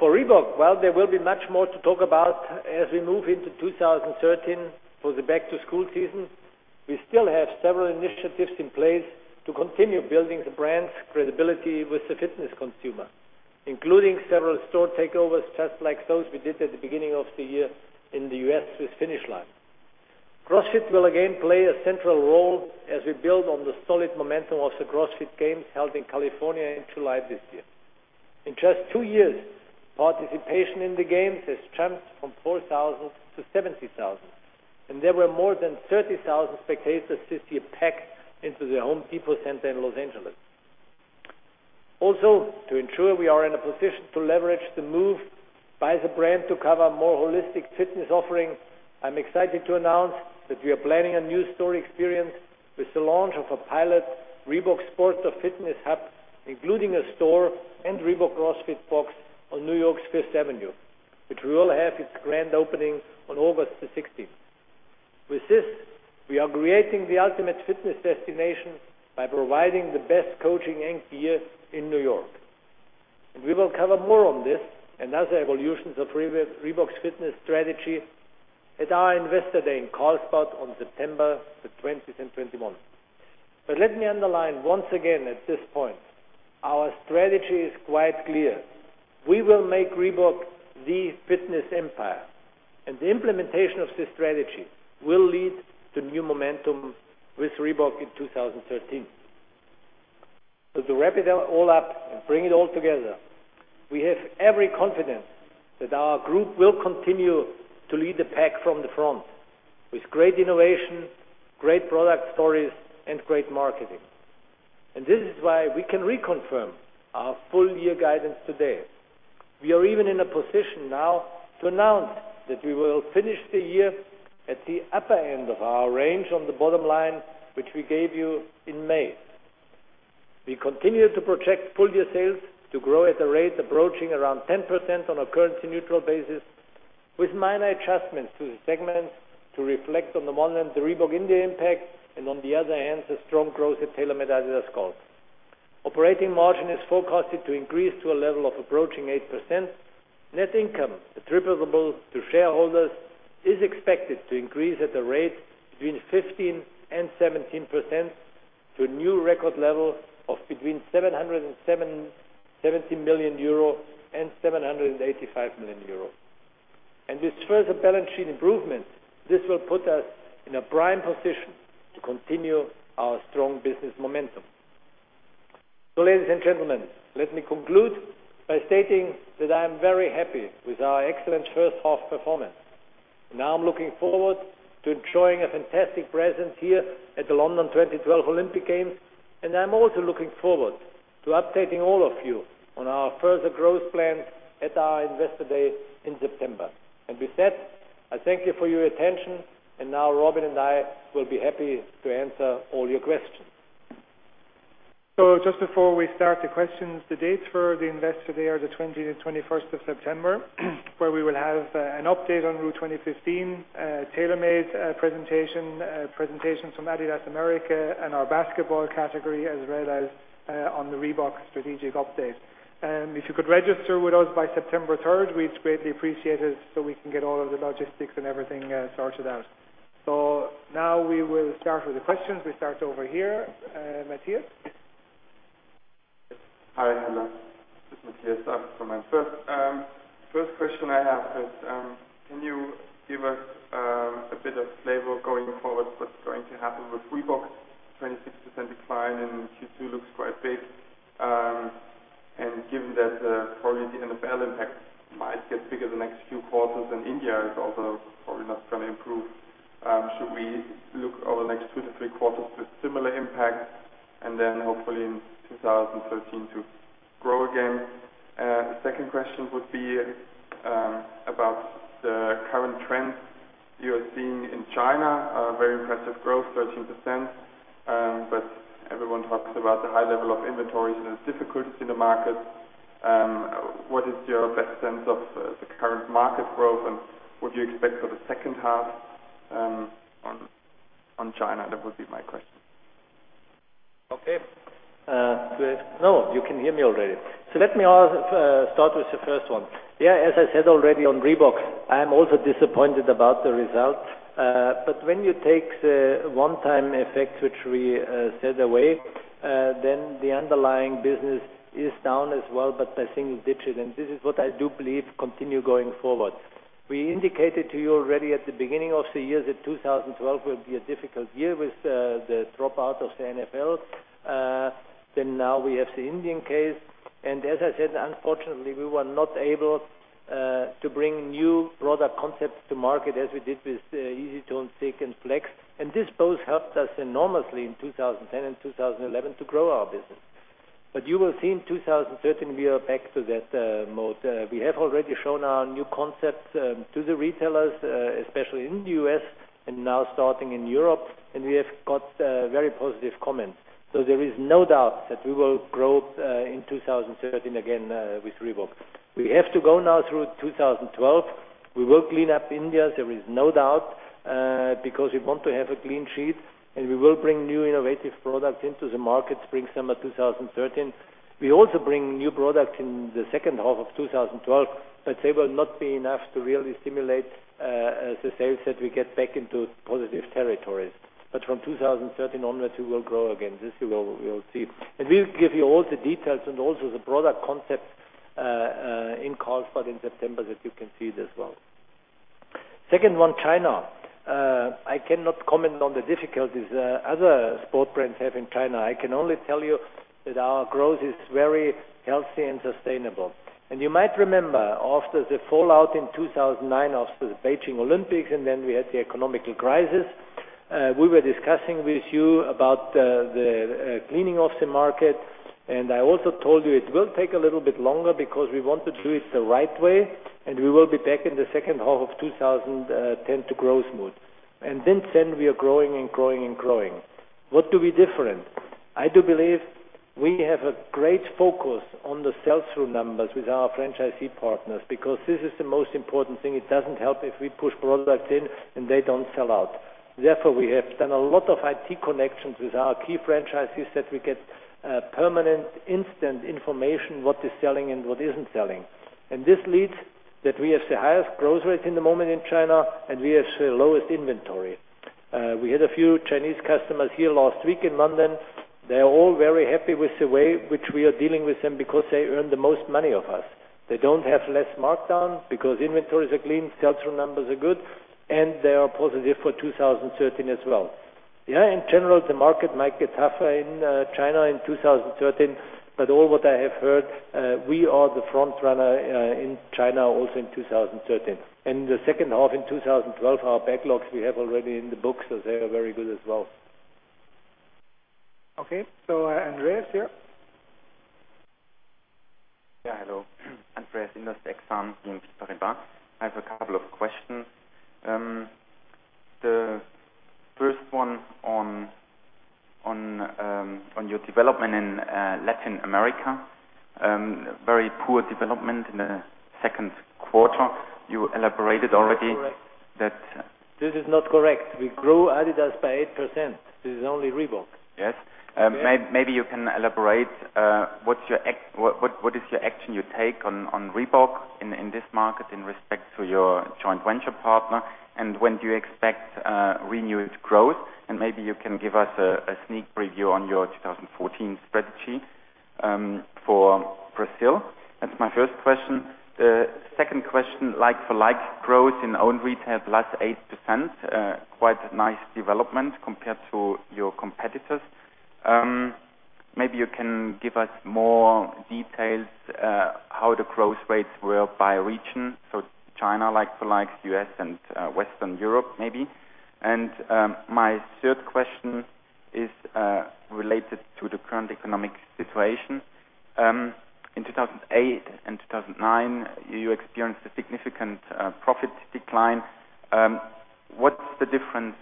For Reebok, while there will be much more to talk about as we move into 2013 for the back-to-school season, we still have several initiatives in place to continue building the brand's credibility with the fitness consumer, including several store takeovers, just like those we did at the beginning of the year in the U.S. with Finish Line. CrossFit will again play a central role as we build on the solid momentum of the CrossFit Games held in California in July this year. In just two years, participation in the games has jumped from 4,000 to 70,000, and there were more than 30,000 spectators this year packed into their Home Depot Center in Los Angeles. To ensure we are in a position to leverage the move by the brand to cover a more holistic fitness offering, I'm excited to announce that we are planning a new store experience with the launch of a pilot Reebok sports and fitness hub, including a store and Reebok CrossFit Box on New York's Fifth Avenue, which will have its grand opening on August 16th. With this, we are creating the ultimate fitness destination by providing the best coaching and gear in New York. We will cover more on this, another evolution of Reebok's fitness strategy at our Investor Day in Carlsbad on September 20th and 21st. Let me underline once again at this point, our strategy is quite clear. We will make Reebok the fitness empire, and the implementation of this strategy will lead to new momentum with Reebok in 2013. To wrap it all up and bring it all together, we have every confidence that our group will continue to lead the pack from the front with great innovation, great product stories, and great marketing. This is why we can reconfirm our full-year guidance today. We are even in a position now to announce that we will finish the year at the upper end of our range on the bottom line, which we gave you in May. We continue to project full-year sales to grow at a rate approaching around 10% on a currency-neutral basis, with minor adjustments to the segments to reflect on the one hand the Reebok India impact, and on the other hand, the strong growth at TaylorMade-adidas Golf. Operating margin is forecasted to increase to a level of approaching 8%. Net income attributable to shareholders is expected to increase at a rate between 15% and 17% to a new record level of between 770 million euro and 785 million euro. With further balance sheet improvements, this will put us in a prime position to continue our strong business momentum. Ladies and gentlemen, let me conclude by stating that I am very happy with our excellent first half performance. Now I am looking forward to enjoying a fantastic presence here at the London 2012 Olympic Games, and I am also looking forward to updating all of you on our further growth plans at our Investor Day in September. With that, I thank you for your attention, and now Robin and I will be happy to answer all your questions. Just before we start the questions, the dates for the Investor Day are the 20th and 21st of September, where we will have an update on Route 2015, a TaylorMade presentation, presentations from adidas America, and our basketball category, as well as on the Reebok strategic update. If you could register with us by September 3rd, we would greatly appreciate it so we can get all of the logistics and everything sorted out. Now we will start with the questions. We start over here. Matthias? Hi, hello. This is Matthias from. First question I have is, can you give us a bit of flavor going forward what is going to happen with Reebok? 26% decline in Q2 looks quite big. Given that probably the NFL impact might get bigger the next few quarters and India is also probably not going to improve, should we look over the next two to three quarters with similar impacts and then hopefully in 2013 to grow again? Second question would be about the current trends you are seeing in China. Very impressive growth, 13%, but everyone talks about the high level of inventories and its difficulty in the market. What is your best sense of the current market growth, and what do you expect for the second half on China? That would be my question. Okay. No, you can hear me already. Let me start with the first one. As I said already on Reebok, I am also disappointed about the results. When you take the one-time effects, which we set away, the underlying business is down as well, but by single digits. This is what I do believe continue going forward. We indicated to you already at the beginning of the year that 2012 will be a difficult year with the drop-out of the NFL. Now we have the Indian case. As I said, unfortunately, we were not able to bring new product concepts to market as we did with EasyTone, ZigTech, and RealFlex. This both helped us enormously in 2010 and 2011 to grow our business. You will see in 2013, we are back to that mode. We have already shown our new concepts to the retailers, especially in the U.S., and now starting in Europe, and we have got very positive comments. There is no doubt that we will grow in 2013 again with Reebok. We have to go now through 2012. We will clean up India, there is no doubt, because we want to have a clean sheet, and we will bring new innovative products into the market spring, summer 2013. We also bring new products in the second half of 2012, but they will not be enough to really stimulate the sales that we get back into positive territories. From 2013 onwards, we will grow again. This we will see. We'll give you all the details and also the product concepts in Carlsbad in September that you can see it as well. Second one, China. I cannot comment on the difficulties other sport brands have in China. I can only tell you that our growth is very healthy and sustainable. You might remember, after the fallout in 2009 of the Beijing Olympics, and then we had the economical crisis, we were discussing with you about the cleaning of the market. I also told you it will take a little bit longer because we want to do it the right way, and we will be back in the second half of 2010 to growth mode. Since then, we are growing and growing and growing. What do we do different? I do believe we have a great focus on the sell-through numbers with our franchisee partners because this is the most important thing. It doesn't help if we push product in and they don't sell out. Therefore, we have done a lot of IT connections with our key franchisees that we get permanent, instant information, what is selling and what isn't selling. This leads that we have the highest growth rate in the moment in China, and we have the lowest inventory. We had a few Chinese customers here last week in London. They are all very happy with the way which we are dealing with them because they earn the most money of us. They don't have less markdown because inventories are clean, sell-through numbers are good. They are positive for 2013 as well. In general, the market might get tougher in China in 2013, but all what I have heard, we are the front runner in China also in 2013. The second half in 2012, our backlogs we have already in the books, they are very good as well. Okay. Andreas, yeah. Yeah. Hello. Andreas, this is not correct. We grew adidas by 8%. This is only Reebok. Yes. Yes. Maybe you can elaborate, what is the action you take on Reebok in this market in respect to your joint venture partner? When do you expect renewed growth? Maybe you can give us a sneak preview on your 2014 strategy for Brazil. That's my first question. The second question, like-for-like growth in own retail plus 8%, quite nice development compared to your competitors. Maybe you can give us more details, how the growth rates were by region, China like-for-likes, U.S., and Western Europe maybe. My third question is related to the current economic situation. In 2008 and 2009, you experienced a significant profit decline. What's the difference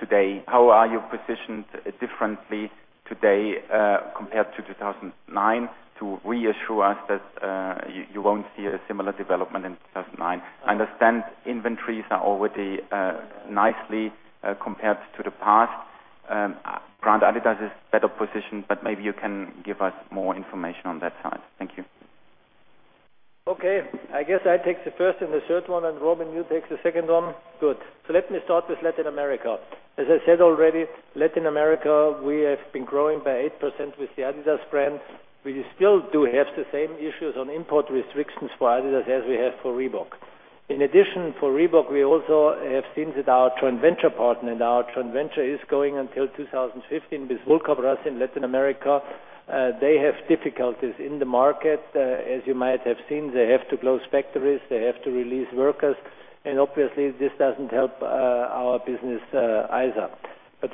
today? How are you positioned differently today, compared to 2009, to reassure us that you won't see a similar development in 2009? I understand inventories are already nicely compared to the past. Brand adidas is better positioned, maybe you can give us more information on that side. Thank you. Okay. I guess I take the first and the third one, Robin, you take the second one. Good. Let me start with Latin America. As I said already, Latin America, we have been growing by 8% with the adidas brand. We still do have the same issues on import restrictions for adidas as we have for Reebok. In addition, for Reebok, we also have seen that our joint venture partner, our joint venture is going until 2015 with Vulcabras in Latin America. They have difficulties in the market. As you might have seen, they have to close factories, they have to release workers, obviously, this doesn't help our business either.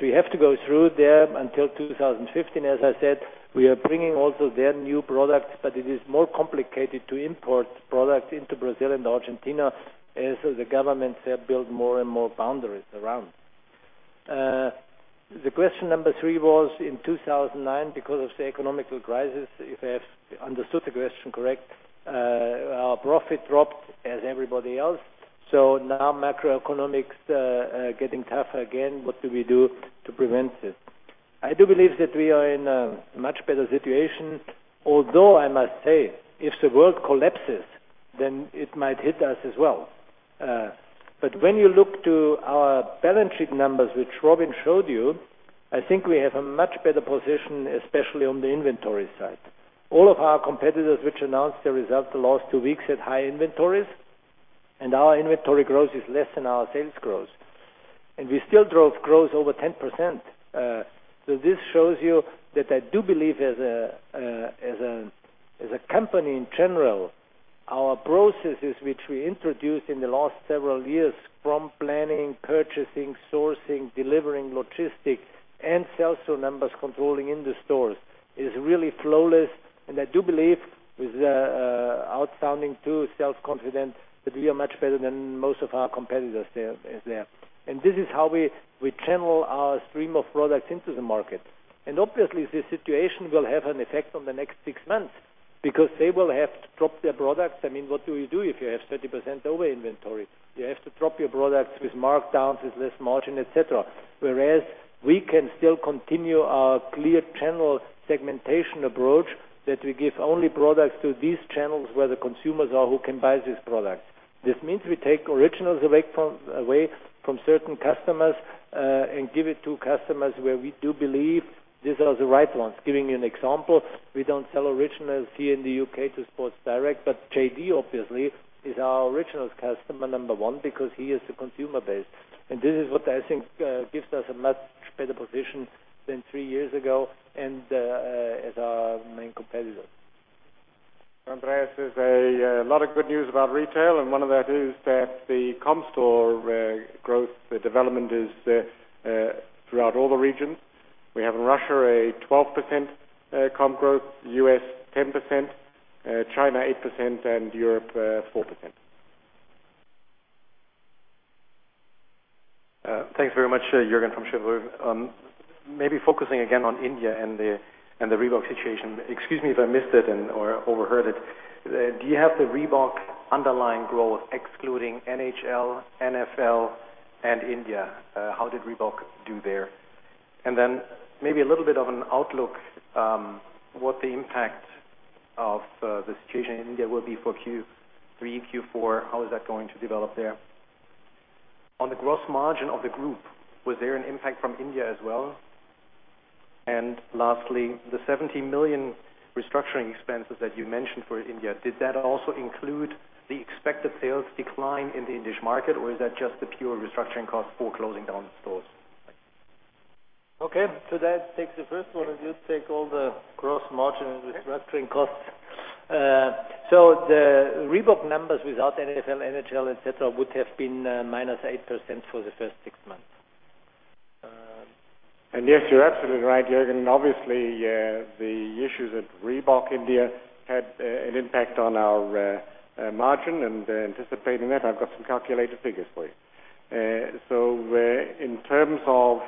We have to go through them until 2015. As I said, we are bringing also their new products, it is more complicated to import products into Brazil and Argentina, as the governments have built more and more boundaries around. The question number 3 was, in 2009, because of the economic crisis, if I have understood the question correct, our profit dropped as everybody else. Now macroeconomics are getting tougher again. What do we do to prevent it? I do believe that we are in a much better situation, although I must say, if the world collapses, then it might hit us as well. When you look to our balance sheet numbers, which Robin showed you, I think we have a much better position, especially on the inventory side. All of our competitors, which announced their results the last two weeks, had high inventories, our inventory growth is less than our sales growth. We still drove growth over 10%. This shows you that I do believe as a company in general, our processes which we introduced in the last several years from planning, purchasing, sourcing, delivering logistics, and sales to numbers controlling in the stores, is really flawless. I do believe with outstanding too self-confident that we are much better than most of our competitors there. This is how we channel our stream of products into the market. Obviously, this situation will have an effect on the next six months because they will have to drop their products. What do you do if you have 30% over inventory? You have to drop your products with markdowns, with less margin, et cetera. Whereas we can still continue our clear channel segmentation approach that we give only products to these channels where the consumers are who can buy these products. This means we take originals away from certain customers, give it to customers where we do believe these are the right ones. Giving you an example, we don't sell originals here in the U.K. to Sports Direct, JD obviously is our originals customer number 1 because he is the consumer base. This is what I think gives us a much better position than three years ago and as our main competitor. Andreas, there's a lot of good news about retail, and one of that is that the comp store growth development is throughout all the regions. We have in Russia a 12% comp growth, U.S. 10%, China 8%, and Europe 4%. Thanks very much. Jürgen from Cheuvreux. Maybe focusing again on India and the Reebok situation. Excuse me if I missed it or overheard it. Do you have the Reebok underlying growth excluding NHL, NFL, and India? How did Reebok do there? Then maybe a little bit of an outlook, what the impact of the situation in India will be for Q3, Q4. How is that going to develop there? On the gross margin of the group, was there an impact from India as well? Lastly, the 17 million restructuring expenses that you mentioned for India, did that also include the expected sales decline in the Indian market, or is that just the pure restructuring cost for closing down the stores? Okay. I take the first one. You take all the gross margin and restructuring costs. The Reebok numbers without NFL, NHL, et cetera, would have been minus 8% for the first six months. Yes, you're absolutely right, Jürgen. Obviously, the issues at Reebok India had an impact on our margin, and anticipating that, I've got some calculated figures for you. In terms of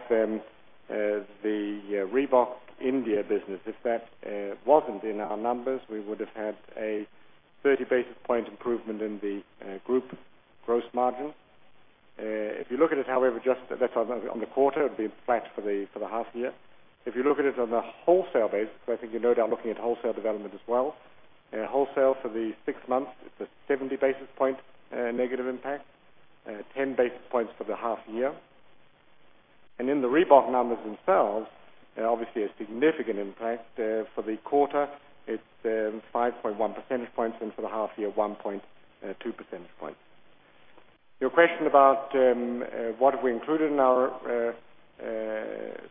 the Reebok India business, if that wasn't in our numbers, we would have had a 30 basis point improvement in the group gross margin. If you look at it, however, just on the quarter, it would be flat for the half year. If you look at it on a wholesale basis, because I think you're no doubt looking at wholesale development as well. Wholesale for the six months, it's a 70 basis point negative impact, 10 basis points for the half year. In the Reebok numbers themselves, obviously a significant impact. For the quarter, it's 5.1 percentage points, and for the half year, 1.2 percentage points. Your question about what have we included in our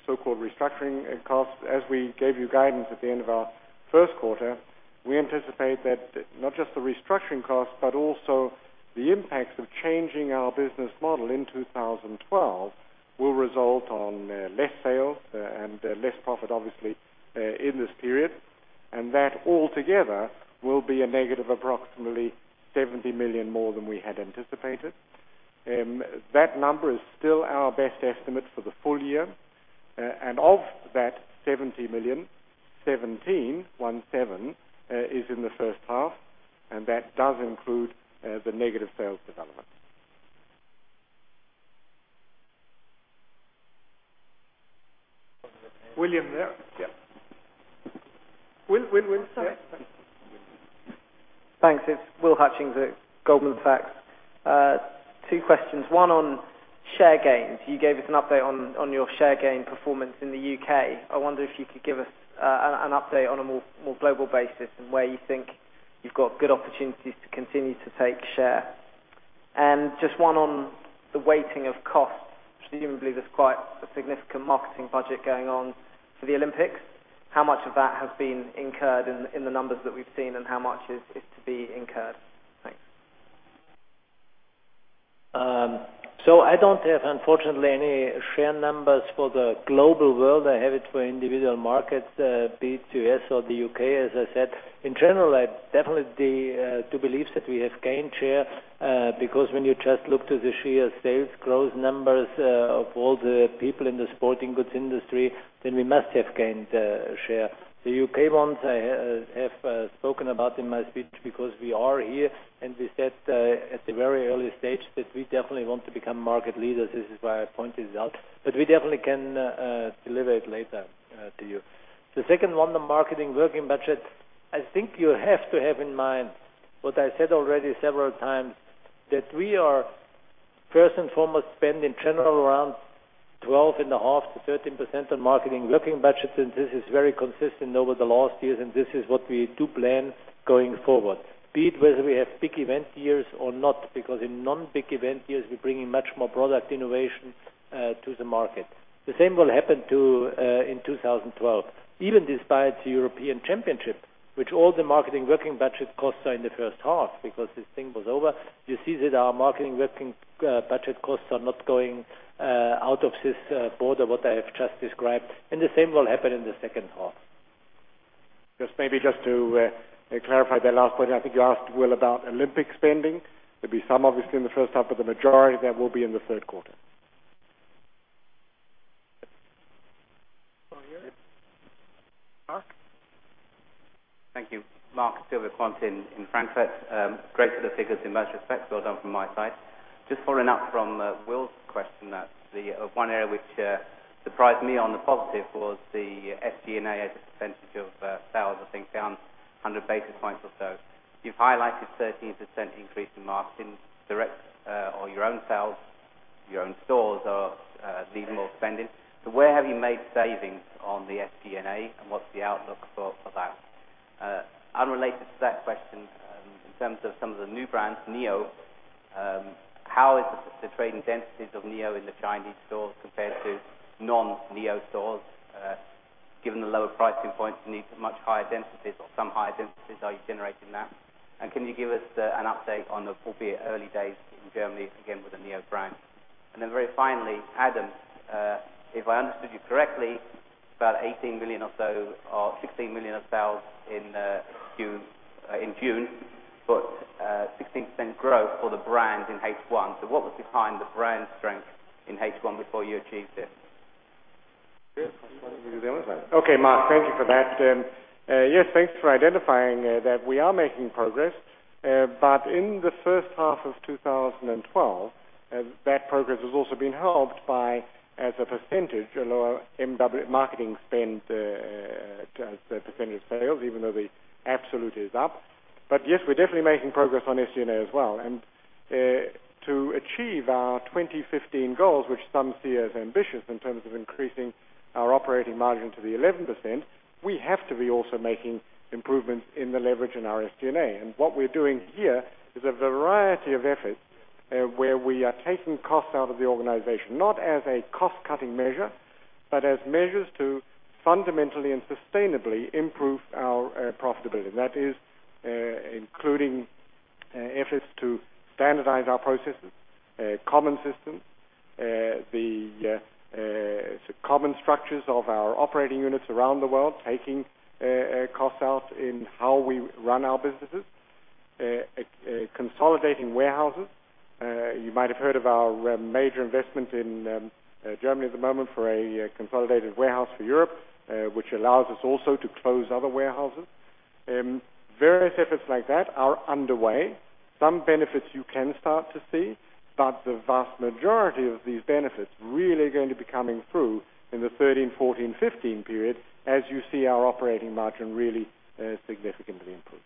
so-called restructuring costs. We gave you guidance at the end of our first quarter, we anticipate that not just the restructuring costs, but also the impacts of changing our business model in 2012 will result on less sales and less profit, obviously, in this period. That altogether will be a negative approximately 70 million more than we had anticipated. That number is still our best estimate for the full year. Of that 70 million, 17 is in the first half, and that does include the negative sales development. William? Yeah. Will? Yeah. Thanks. It's William Hutchings at Goldman Sachs. Two questions. One on share gains. You gave us an update on your share gain performance in the U.K. I wonder if you could give us an update on a more global basis and where you think you've got good opportunities to continue to take share. Just one on the weighting of costs. Presumably, there's quite a significant marketing budget going on for the Olympics. How much of that has been incurred in the numbers that we've seen, and how much is to be incurred? Thanks. I don't have, unfortunately, any share numbers for the global world. I have it for individual markets, be it U.S. or the U.K., as I said. In general, I definitely do believe that we have gained share, because when you just look to the sheer sales growth numbers of all the people in the sporting goods industry, then we must have gained share. The U.K. ones, I have spoken about in my speech because we are here, and we said at the very early stage that we definitely want to become market leaders. This is why I point this out. We definitely can deliver it later to you. The second one, the marketing working budget. I think you have to have in mind what I said already several times, that we are first and foremost spend in general around 12.5% to 13% on marketing working budget, and this is very consistent over the last years, and this is what we do plan going forward. Be it whether we have big event years or not, because in non-big event years, we're bringing much more product innovation to the market. The same will happen in 2012. Even despite the European Championship, which all the marketing working budget costs are in the first half because this thing was over. You see that our marketing working budget costs are not going out of this border, what I have just described, and the same will happen in the second half. Maybe just to clarify that last point. I think you asked Will about Olympic spending. There'll be some obviously in the first half, but the majority of that will be in the third quarter. Oh, yeah. Mark? Thank you. Markus Silvan Quant in Frankfurt. Great for the figures in most respects. Well done from my side. Just following up from Will's question. One area which surprised me on the positive was the SG&A as a percentage of sales, I think, down 100 basis points or so. You've highlighted 13% increase in marketing, direct or your own sales, your own stores or seasonal spending. So where have you made savings on the SG&A, and what's the outlook for that? Unrelated to that question, in terms of some of the new brands, NEO, how is the trading densities of NEO in the Chinese stores compared to non-NEO stores? Given the lower pricing points, you need much higher densities or some higher densities. Are you generating that? Can you give us an update on the, will be early days in Germany, again, with the NEO brand? Then very finally, Adam, if I understood you correctly, about 18 million or so or 16 million of sales in June, but 16% growth for the brand in H1. So what was behind the brand strength in H1 before you achieved this? Mark, thank you for that. Yes, thanks for identifying that we are making progress. In the first half of 2012, that progress has also been helped by, as a percentage, a lower marketing spend as the percentage sales, even though the absolute is up. Yes, we're definitely making progress on SG&A as well. To achieve our 2015 goals, which some see as ambitious in terms of increasing our operating margin to the 11%, we have to be also making improvements in the leverage in our SG&A. What we're doing here is a variety of efforts, where we are taking costs out of the organization, not as a cost-cutting measure, but as measures to fundamentally and sustainably improve our profitability. That is including efforts to standardize our processes, common systems, the common structures of our operating units around the world, taking costs out in how we run our businesses, consolidating warehouses. You might have heard of our major investment in Germany at the moment for a consolidated warehouse for Europe, which allows us also to close other warehouses. Various efforts like that are underway. Some benefits you can start to see, but the vast majority of these benefits really are going to be coming through in the 2013, 2014, 2015 period, as you see our operating margin really significantly improve.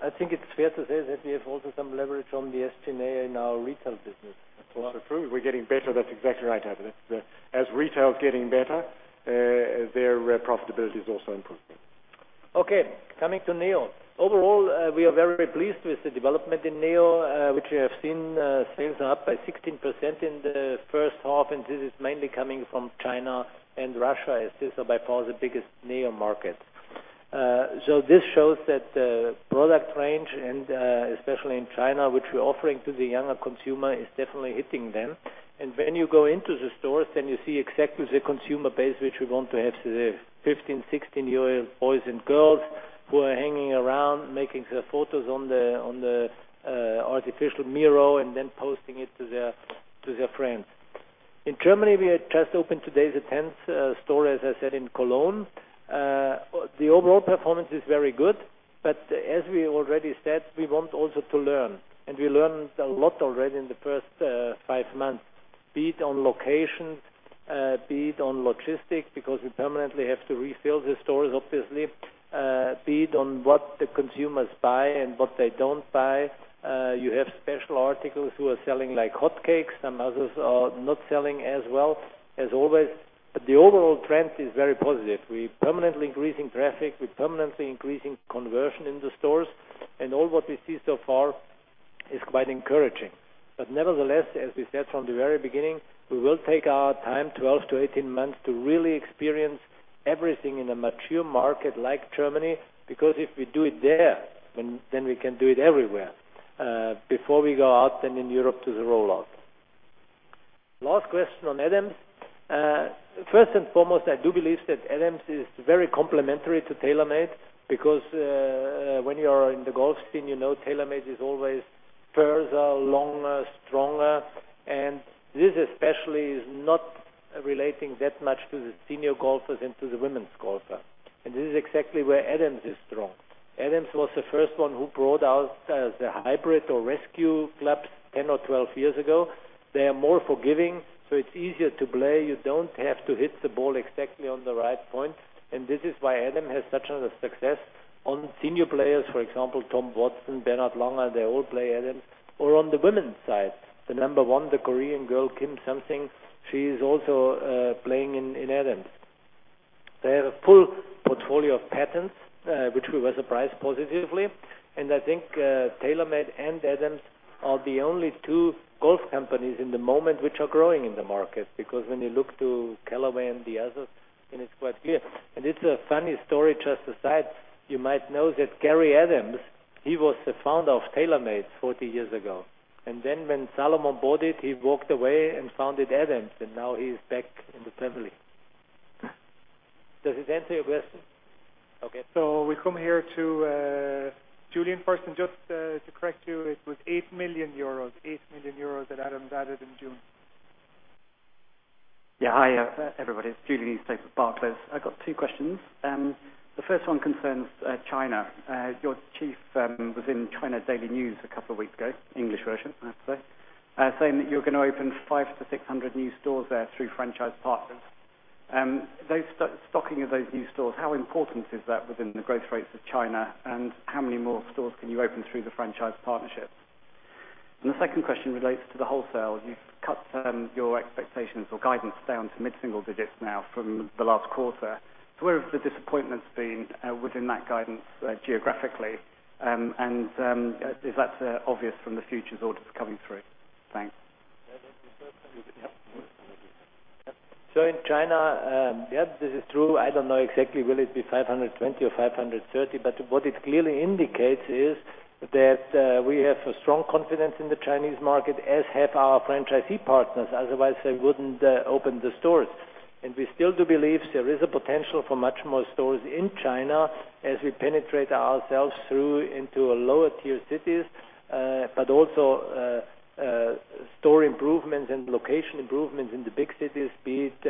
I think it's fair to say that we have also some leverage on the SG&A in our retail business. That's also true. We're getting better. That's exactly right, Herbert. As retail is getting better, their profitability is also improving. Coming to NEO. Overall, we are very pleased with the development in NEO, which we have seen sales are up by 16% in the first half, and this is mainly coming from China and Russia. It's still by far the biggest NEO market. This shows that the product range, and especially in China, which we're offering to the younger consumer, is definitely hitting them. When you go into the stores, you see exactly the consumer base which we want to have. The 15, 16-year-old boys and girls who are hanging around, making their photos on the artificial mirror and posting it to their friends. In Germany, we had just opened today the 10th store, as I said, in Cologne. The overall performance is very good. As we already said, we want also to learn, and we learned a lot already in the first five months. Be it on location, be it on logistics, because we permanently have to refill the stores, obviously. Be it on what the consumers buy and what they don't buy. You have special articles who are selling like hotcakes. Some others are not selling as well, as always. The overall trend is very positive. We're permanently increasing traffic. We're permanently increasing conversion in the stores. All what we see so far is quite encouraging. Nevertheless, as we said from the very beginning, we will take our time, 12 to 18 months, to really experience everything in a mature market like Germany. If we do it there, we can do it everywhere, before we go out in Europe to the rollout. Last question on Adams. First and foremost, I do believe that Adams is very complementary to TaylorMade because when you are in the golf scene, you know TaylorMade is always further, longer, stronger. This especially is not relating that much to the senior golfers and to the women's golfers. This is exactly where Adams is strong. Adams was the first one who brought out the hybrid or rescue clubs 10 or 12 years ago. They are more forgiving, so it's easier to play. You don't have to hit the ball exactly on the right point. This is why Adams has such a success on senior players, for example, Tom Watson, Bernhard Langer, they all play Adams. On the women's side, the number one, the Korean girl, Kim Sang-sik, she is also playing in Adams. They have a full portfolio of patents, which we were surprised positively. I think TaylorMade and Adams are the only two golf companies in the moment which are growing in the market. Because when you look to Callaway and the others, then it's quite clear. It's a funny story, just aside. You might know that Gary Adams, he was the founder of TaylorMade 40 years ago. When Salomon bought it, he walked away and founded Adams, and now he is back in the family. Does this answer your question? Okay. We come here to Julian first, just to correct you, it was 8 million euros that Adams added in June. Yeah. Hi, everybody. It's Julian Easthope with Barclays. I've got two questions. Where have the disappointments been within that guidance geographically, and is that obvious from the futures orders coming through? Thanks. You've cut your expectations or guidance down to mid-single digits now from the last quarter. Where have the disappointments been within that guidance geographically, and is that obvious from the futures orders coming through? Thanks. In China, yeah, this is true. I don't know exactly will it be 520 or 530, but what it clearly indicates is that we have a strong confidence in the Chinese market as have our franchisee partners, otherwise they wouldn't open the stores. We still do believe there is a potential for much more stores in China as we penetrate ourselves through into lower-tier cities. Also, store improvements and location improvements in the big cities, be it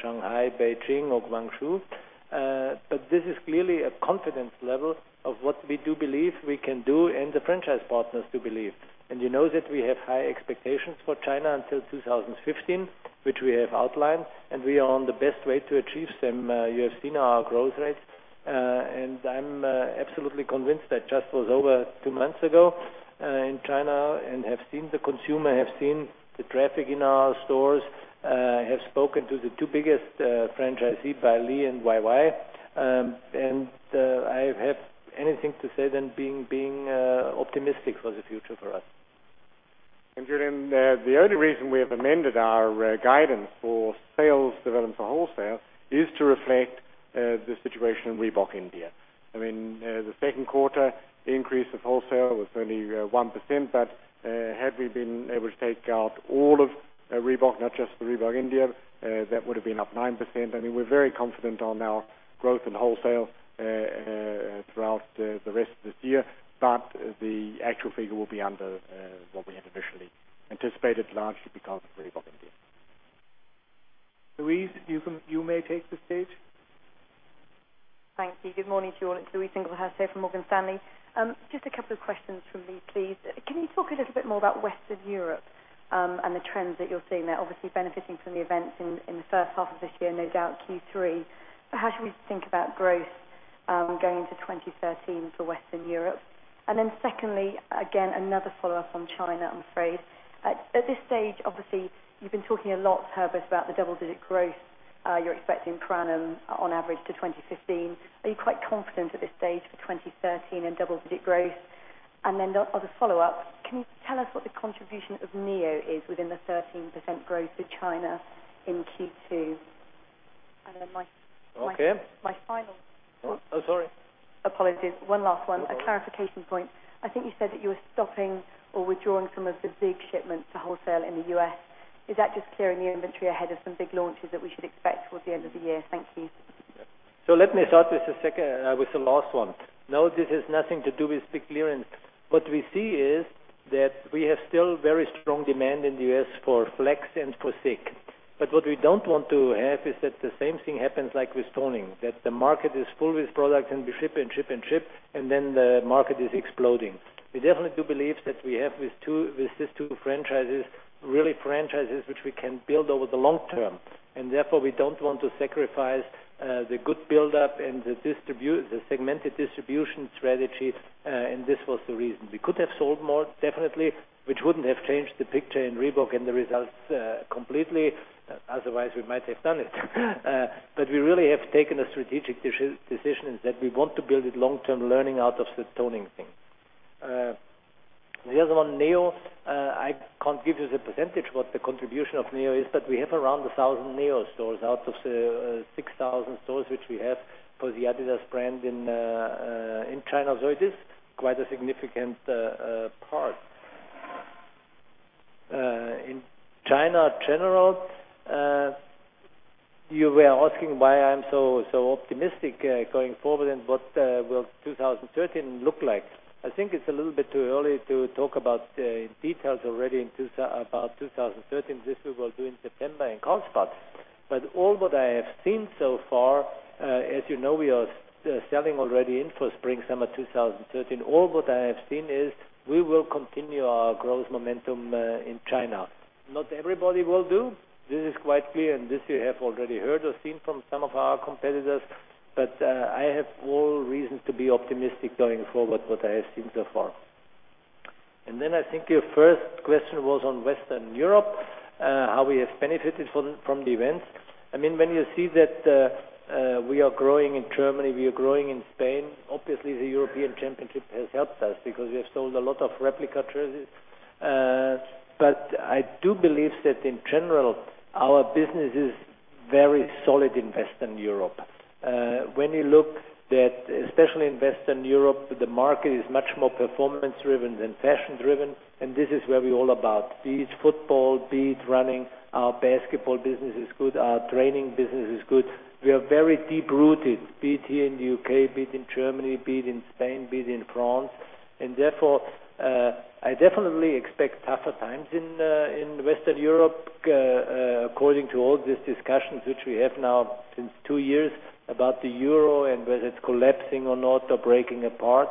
Shanghai, Beijing or Guangzhou. This is clearly a confidence level of what we do believe we can do and the franchise partners do believe. You know that we have high expectations for China until 2015, which we have outlined, and we are on the best way to achieve them. You have seen our growth rates. I'm absolutely convinced. I just was over 2 months ago in China and have seen the consumer, I have seen the traffic in our stores. I have spoken to the 2 biggest franchisee, Belle and Yue Yuen. I have anything to say than being optimistic for the future for us. Julian, the only reason we have amended our guidance for sales development for wholesale is to reflect the situation in Reebok India. The second quarter increase of wholesale was only 1%, but had we been able to take out all of Reebok, not just the Reebok India, that would have been up 9%. We are very confident on our growth in wholesale throughout the rest of this year. The actual figure will be under what we had initially anticipated, largely because of Reebok India. Louise, you may take the stage. Thank you. Good morning to you all. It is Louise Singlehurst here from Morgan Stanley. Just a couple of questions from me, please. Can you talk a little bit more about Western Europe and the trends that you are seeing there? Obviously, benefiting from the events in the first half of this year, no doubt, Q3. How should we think about growth going into 2013 for Western Europe? Secondly, again, another follow-up on China, I am afraid. At this stage, obviously, you have been talking a lot, Herbert, about the double-digit growth you are expecting per annum on average to 2015. Are you quite confident at this stage for 2013 in double-digit growth? As a follow-up, can you tell us what the contribution of NEO is within the 13% growth of China in Q2? My- Okay my final- Oh, sorry. Apologies. One last one. No problem. A clarification point. I think you said that you were stopping or withdrawing some of the ZigTech shipments to wholesale in the U.S. Is that just clearing the inventory ahead of some big launches that we should expect towards the end of the year? Thank you. Let me start with the last one. No, this has nothing to do with big clearance. What we see is that we have still very strong demand in the U.S. for Flex and for ZigTech. What we don't want to have is that the same thing happens like with toning, that the market is full with product and we ship, and ship, and ship, and then the market is exploding. We definitely do believe that we have, with these two franchises, really franchises which we can build over the long term, and therefore, we don't want to sacrifice the good build-up and the segmented distribution strategy, and this was the reason. We could have sold more, definitely, which wouldn't have changed the picture in Reebok and the results completely, otherwise we might have done it. We really have taken a strategic decision that we want to build it long-term, learning out of the toning thing. The other one, Neo, I can't give you the percentage what the contribution of Neo is, but we have around 1,000 Neo stores out of 6,000 stores which we have for the adidas brand in China. It is quite a significant part. In China general, you were asking why I'm so optimistic going forward and what will 2013 look like. I think it's a little bit too early to talk about details already about 2013. This we will do in September in Carlsbad. All what I have seen so far, as you know, we are selling already in for spring, summer 2013. All what I have seen is we will continue our growth momentum in China. Not everybody will do. This is quite clear, this we have already heard or seen from some of our competitors. I have all reasons to be optimistic going forward, what I have seen so far. I think your first question was on Western Europe, how we have benefited from the events. When you see that we are growing in Germany, we are growing in Spain, obviously, the UEFA Euro 2012 has helped us because we have sold a lot of replica jerseys. I do believe that in general, our business is very solid in Europe. When you look, especially in Western Europe, the market is much more performance-driven than fashion-driven, and this is where we're all about. Be it football, be it running, our basketball business is good. Our training business is good. We are very deep-rooted, be it here in the U.K., be it in Germany, be it in Spain, be it in France. I definitely expect tougher times in Western Europe, according to all these discussions which we have now since two years about the euro and whether it's collapsing or not or breaking apart.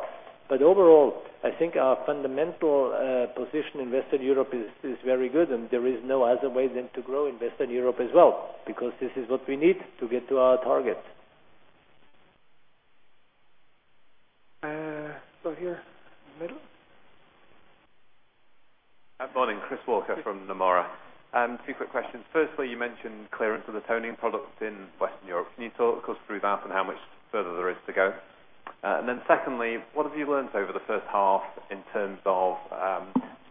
Overall, I think our fundamental position in Western Europe is very good, and there is no other way than to grow in Western Europe as well, because this is what we need to get to our targets. Here, in the middle. Good morning. Chris Walker from Nomura. Two quick questions. Firstly, you mentioned clearance of the toning products in Western Europe. Can you talk us through that and how much further there is to go? Secondly, what have you learned over the first half in terms of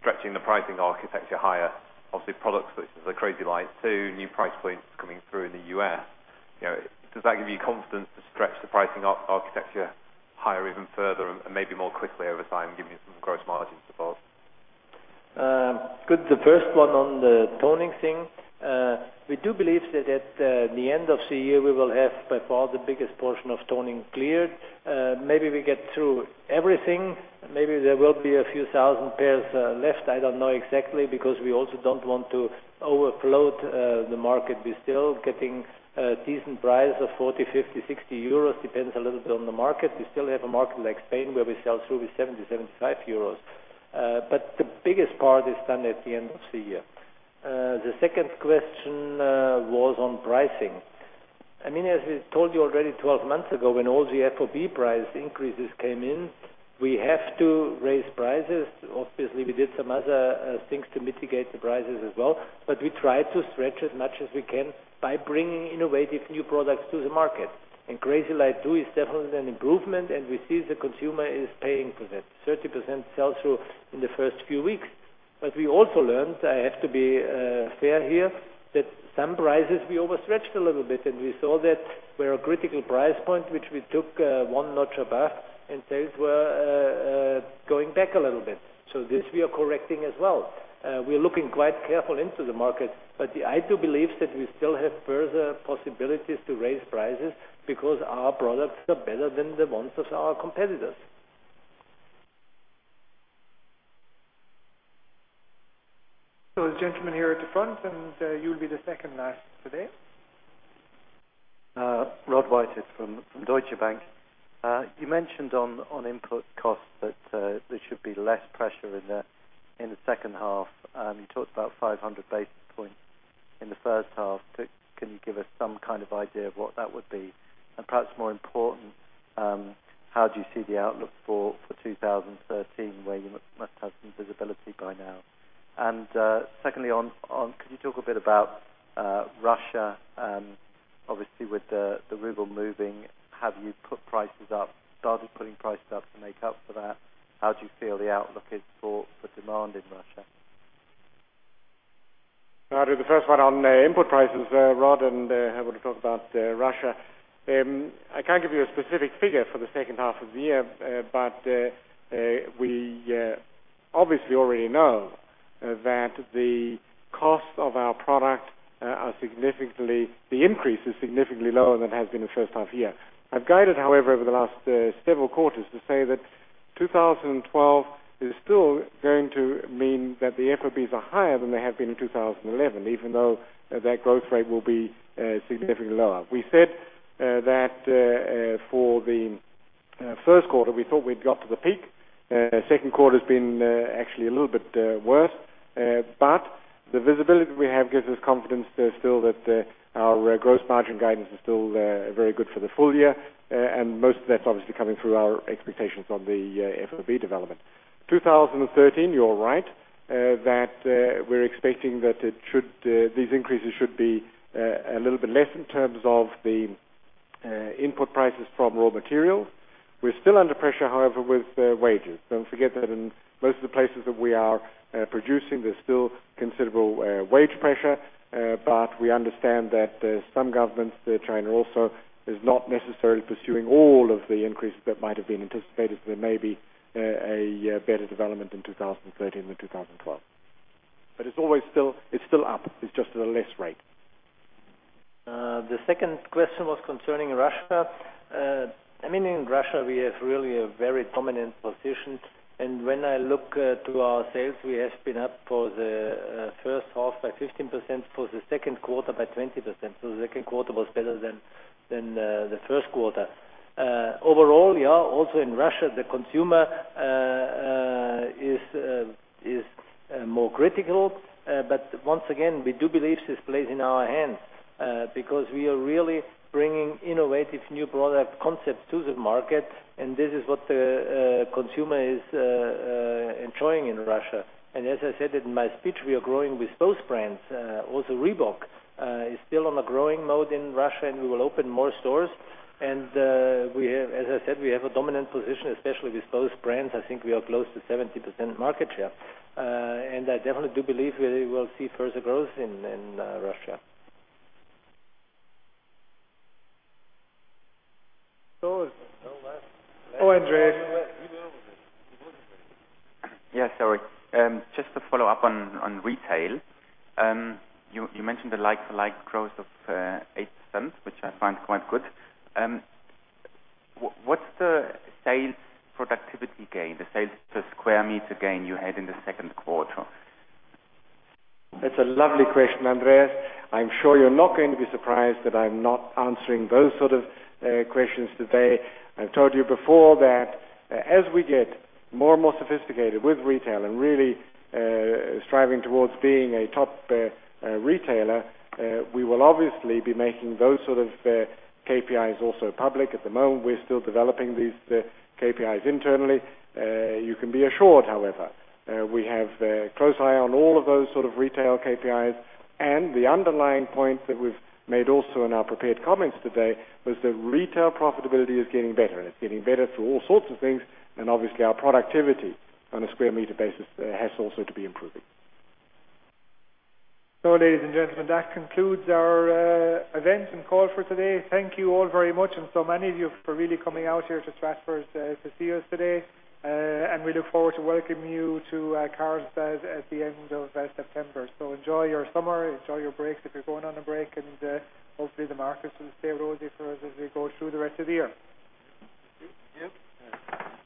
stretching the pricing architecture higher? Obviously, products such as the Crazy Light 2, new price points coming through in the U.S. Does that give you confidence to stretch the pricing architecture higher even further and maybe more quickly over time, giving you some gross margin support? Good. The first one on the toning thing. We do believe that at the end of the year, we will have by far the biggest portion of toning cleared. Maybe we get through everything. Maybe there will be a few thousand pairs left. I don't know exactly, because we also don't want to overload the market. We're still getting a decent price of 40 euros, 50 euros, 60 euros. Depends a little bit on the market. We still have a market like Spain, where we sell through with 70 euros, 75 euros. The biggest part is done at the end of the year. The second question was on pricing. As we told you already 12 months ago, when all the FOB price increases came in, we have to raise prices. Obviously, we did some other things to mitigate the prices as well, we try to stretch as much as we can by bringing innovative new products to the market. Crazy Light 2 is definitely an improvement, and we see the consumer is paying for that. 30% sell-through in the first few weeks. We also learned, I have to be fair here, that some prices we overstretched a little bit, and we saw that where a critical price point, which we took one notch above, and sales were going back a little bit. This we are correcting as well. We're looking quite careful into the market, I do believe that we still have further possibilities to raise prices because our products are better than the ones of our competitors. The gentleman here at the front, and you'll be the second last today. Warwick Okines from Deutsche Bank. You mentioned on input costs that there should be less pressure in the second half. You talked about 500 basis points in the first half. Can you give us some kind of idea of what that would be? Perhaps more important, how do you see the outlook for 2013, where you must have some visibility by now? Secondly on, could you talk a bit about Russia? Obviously, with the ruble moving, have you put prices up, started putting prices up to make up for that? How do you feel the outlook is for demand in Russia? I'll do the first one on input prices, Rod, and I want to talk about Russia. I can't give you a specific figure for the second half of the year, but we obviously already know that the costs of our product, the increase, is significantly lower than it has been in the first half year. I've guided, however, over the last several quarters to say that 2012 is still going to mean that the FOBs are higher than they have been in 2011, even though that growth rate will be significantly lower. We said that for the first quarter, we thought we'd got to the peak. Second quarter's been actually a little bit worse. The visibility we have gives us confidence still that our gross margin guidance is still very good for the full year, and most of that's obviously coming through our expectations on the FOB development. 2013, you're right, that we're expecting that these increases should be a little bit less in terms of the input prices from raw materials. We're still under pressure, however, with wages. Don't forget that in most of the places that we are producing, there's still considerable wage pressure. We understand that some governments, China also, is not necessarily pursuing all of the increases that might have been anticipated, so there may be a better development in 2013 than 2012. It's still up. It's just at a less rate. The second question was concerning Russia. In Russia, we have really a very prominent position. When I look to our sales, we have been up for the first half by 15%, for the second quarter by 20%. The second quarter was better than the first quarter. Overall, also in Russia, the consumer is more critical. Once again, we do believe this plays in our hands because we are really bringing innovative new product concepts to the market, and this is what the consumer is enjoying in Russia. As I said in my speech, we are growing with both brands. Also Reebok is still on a growing mode in Russia, and we will open more stores. As I said, we have a dominant position, especially with both brands. I think we are close to 70% market share. I definitely do believe we will see further growth in Russia. Andreas. Yes, sorry. Just to follow up on retail. You mentioned the like-to-like growth of 8%, which I find quite good. What's the sales productivity gain, the sales per sq m gain you had in the second quarter? That's a lovely question, Andreas. I'm sure you're not going to be surprised that I'm not answering those sort of questions today. I've told you before that as we get more and more sophisticated with retail and really striving towards being a top retailer, we will obviously be making those sort of KPIs also public. At the moment, we're still developing these KPIs internally. You can be assured, however. We have a close eye on all of those sort of retail KPIs, and the underlying point that we've made also in our prepared comments today was that retail profitability is getting better, and it's getting better through all sorts of things, and obviously our productivity on a square meter basis has also to be improving. Ladies and gentlemen, that concludes our event and call for today. Thank you all very much. Many of you for really coming out here to Stratford to see us today. We look forward to welcoming you to Carlsbad at the end of September. Enjoy your summer. Enjoy your breaks if you're going on a break, hopefully the markets will stay rosy for us as we go through the rest of the year. Thank you. Yes.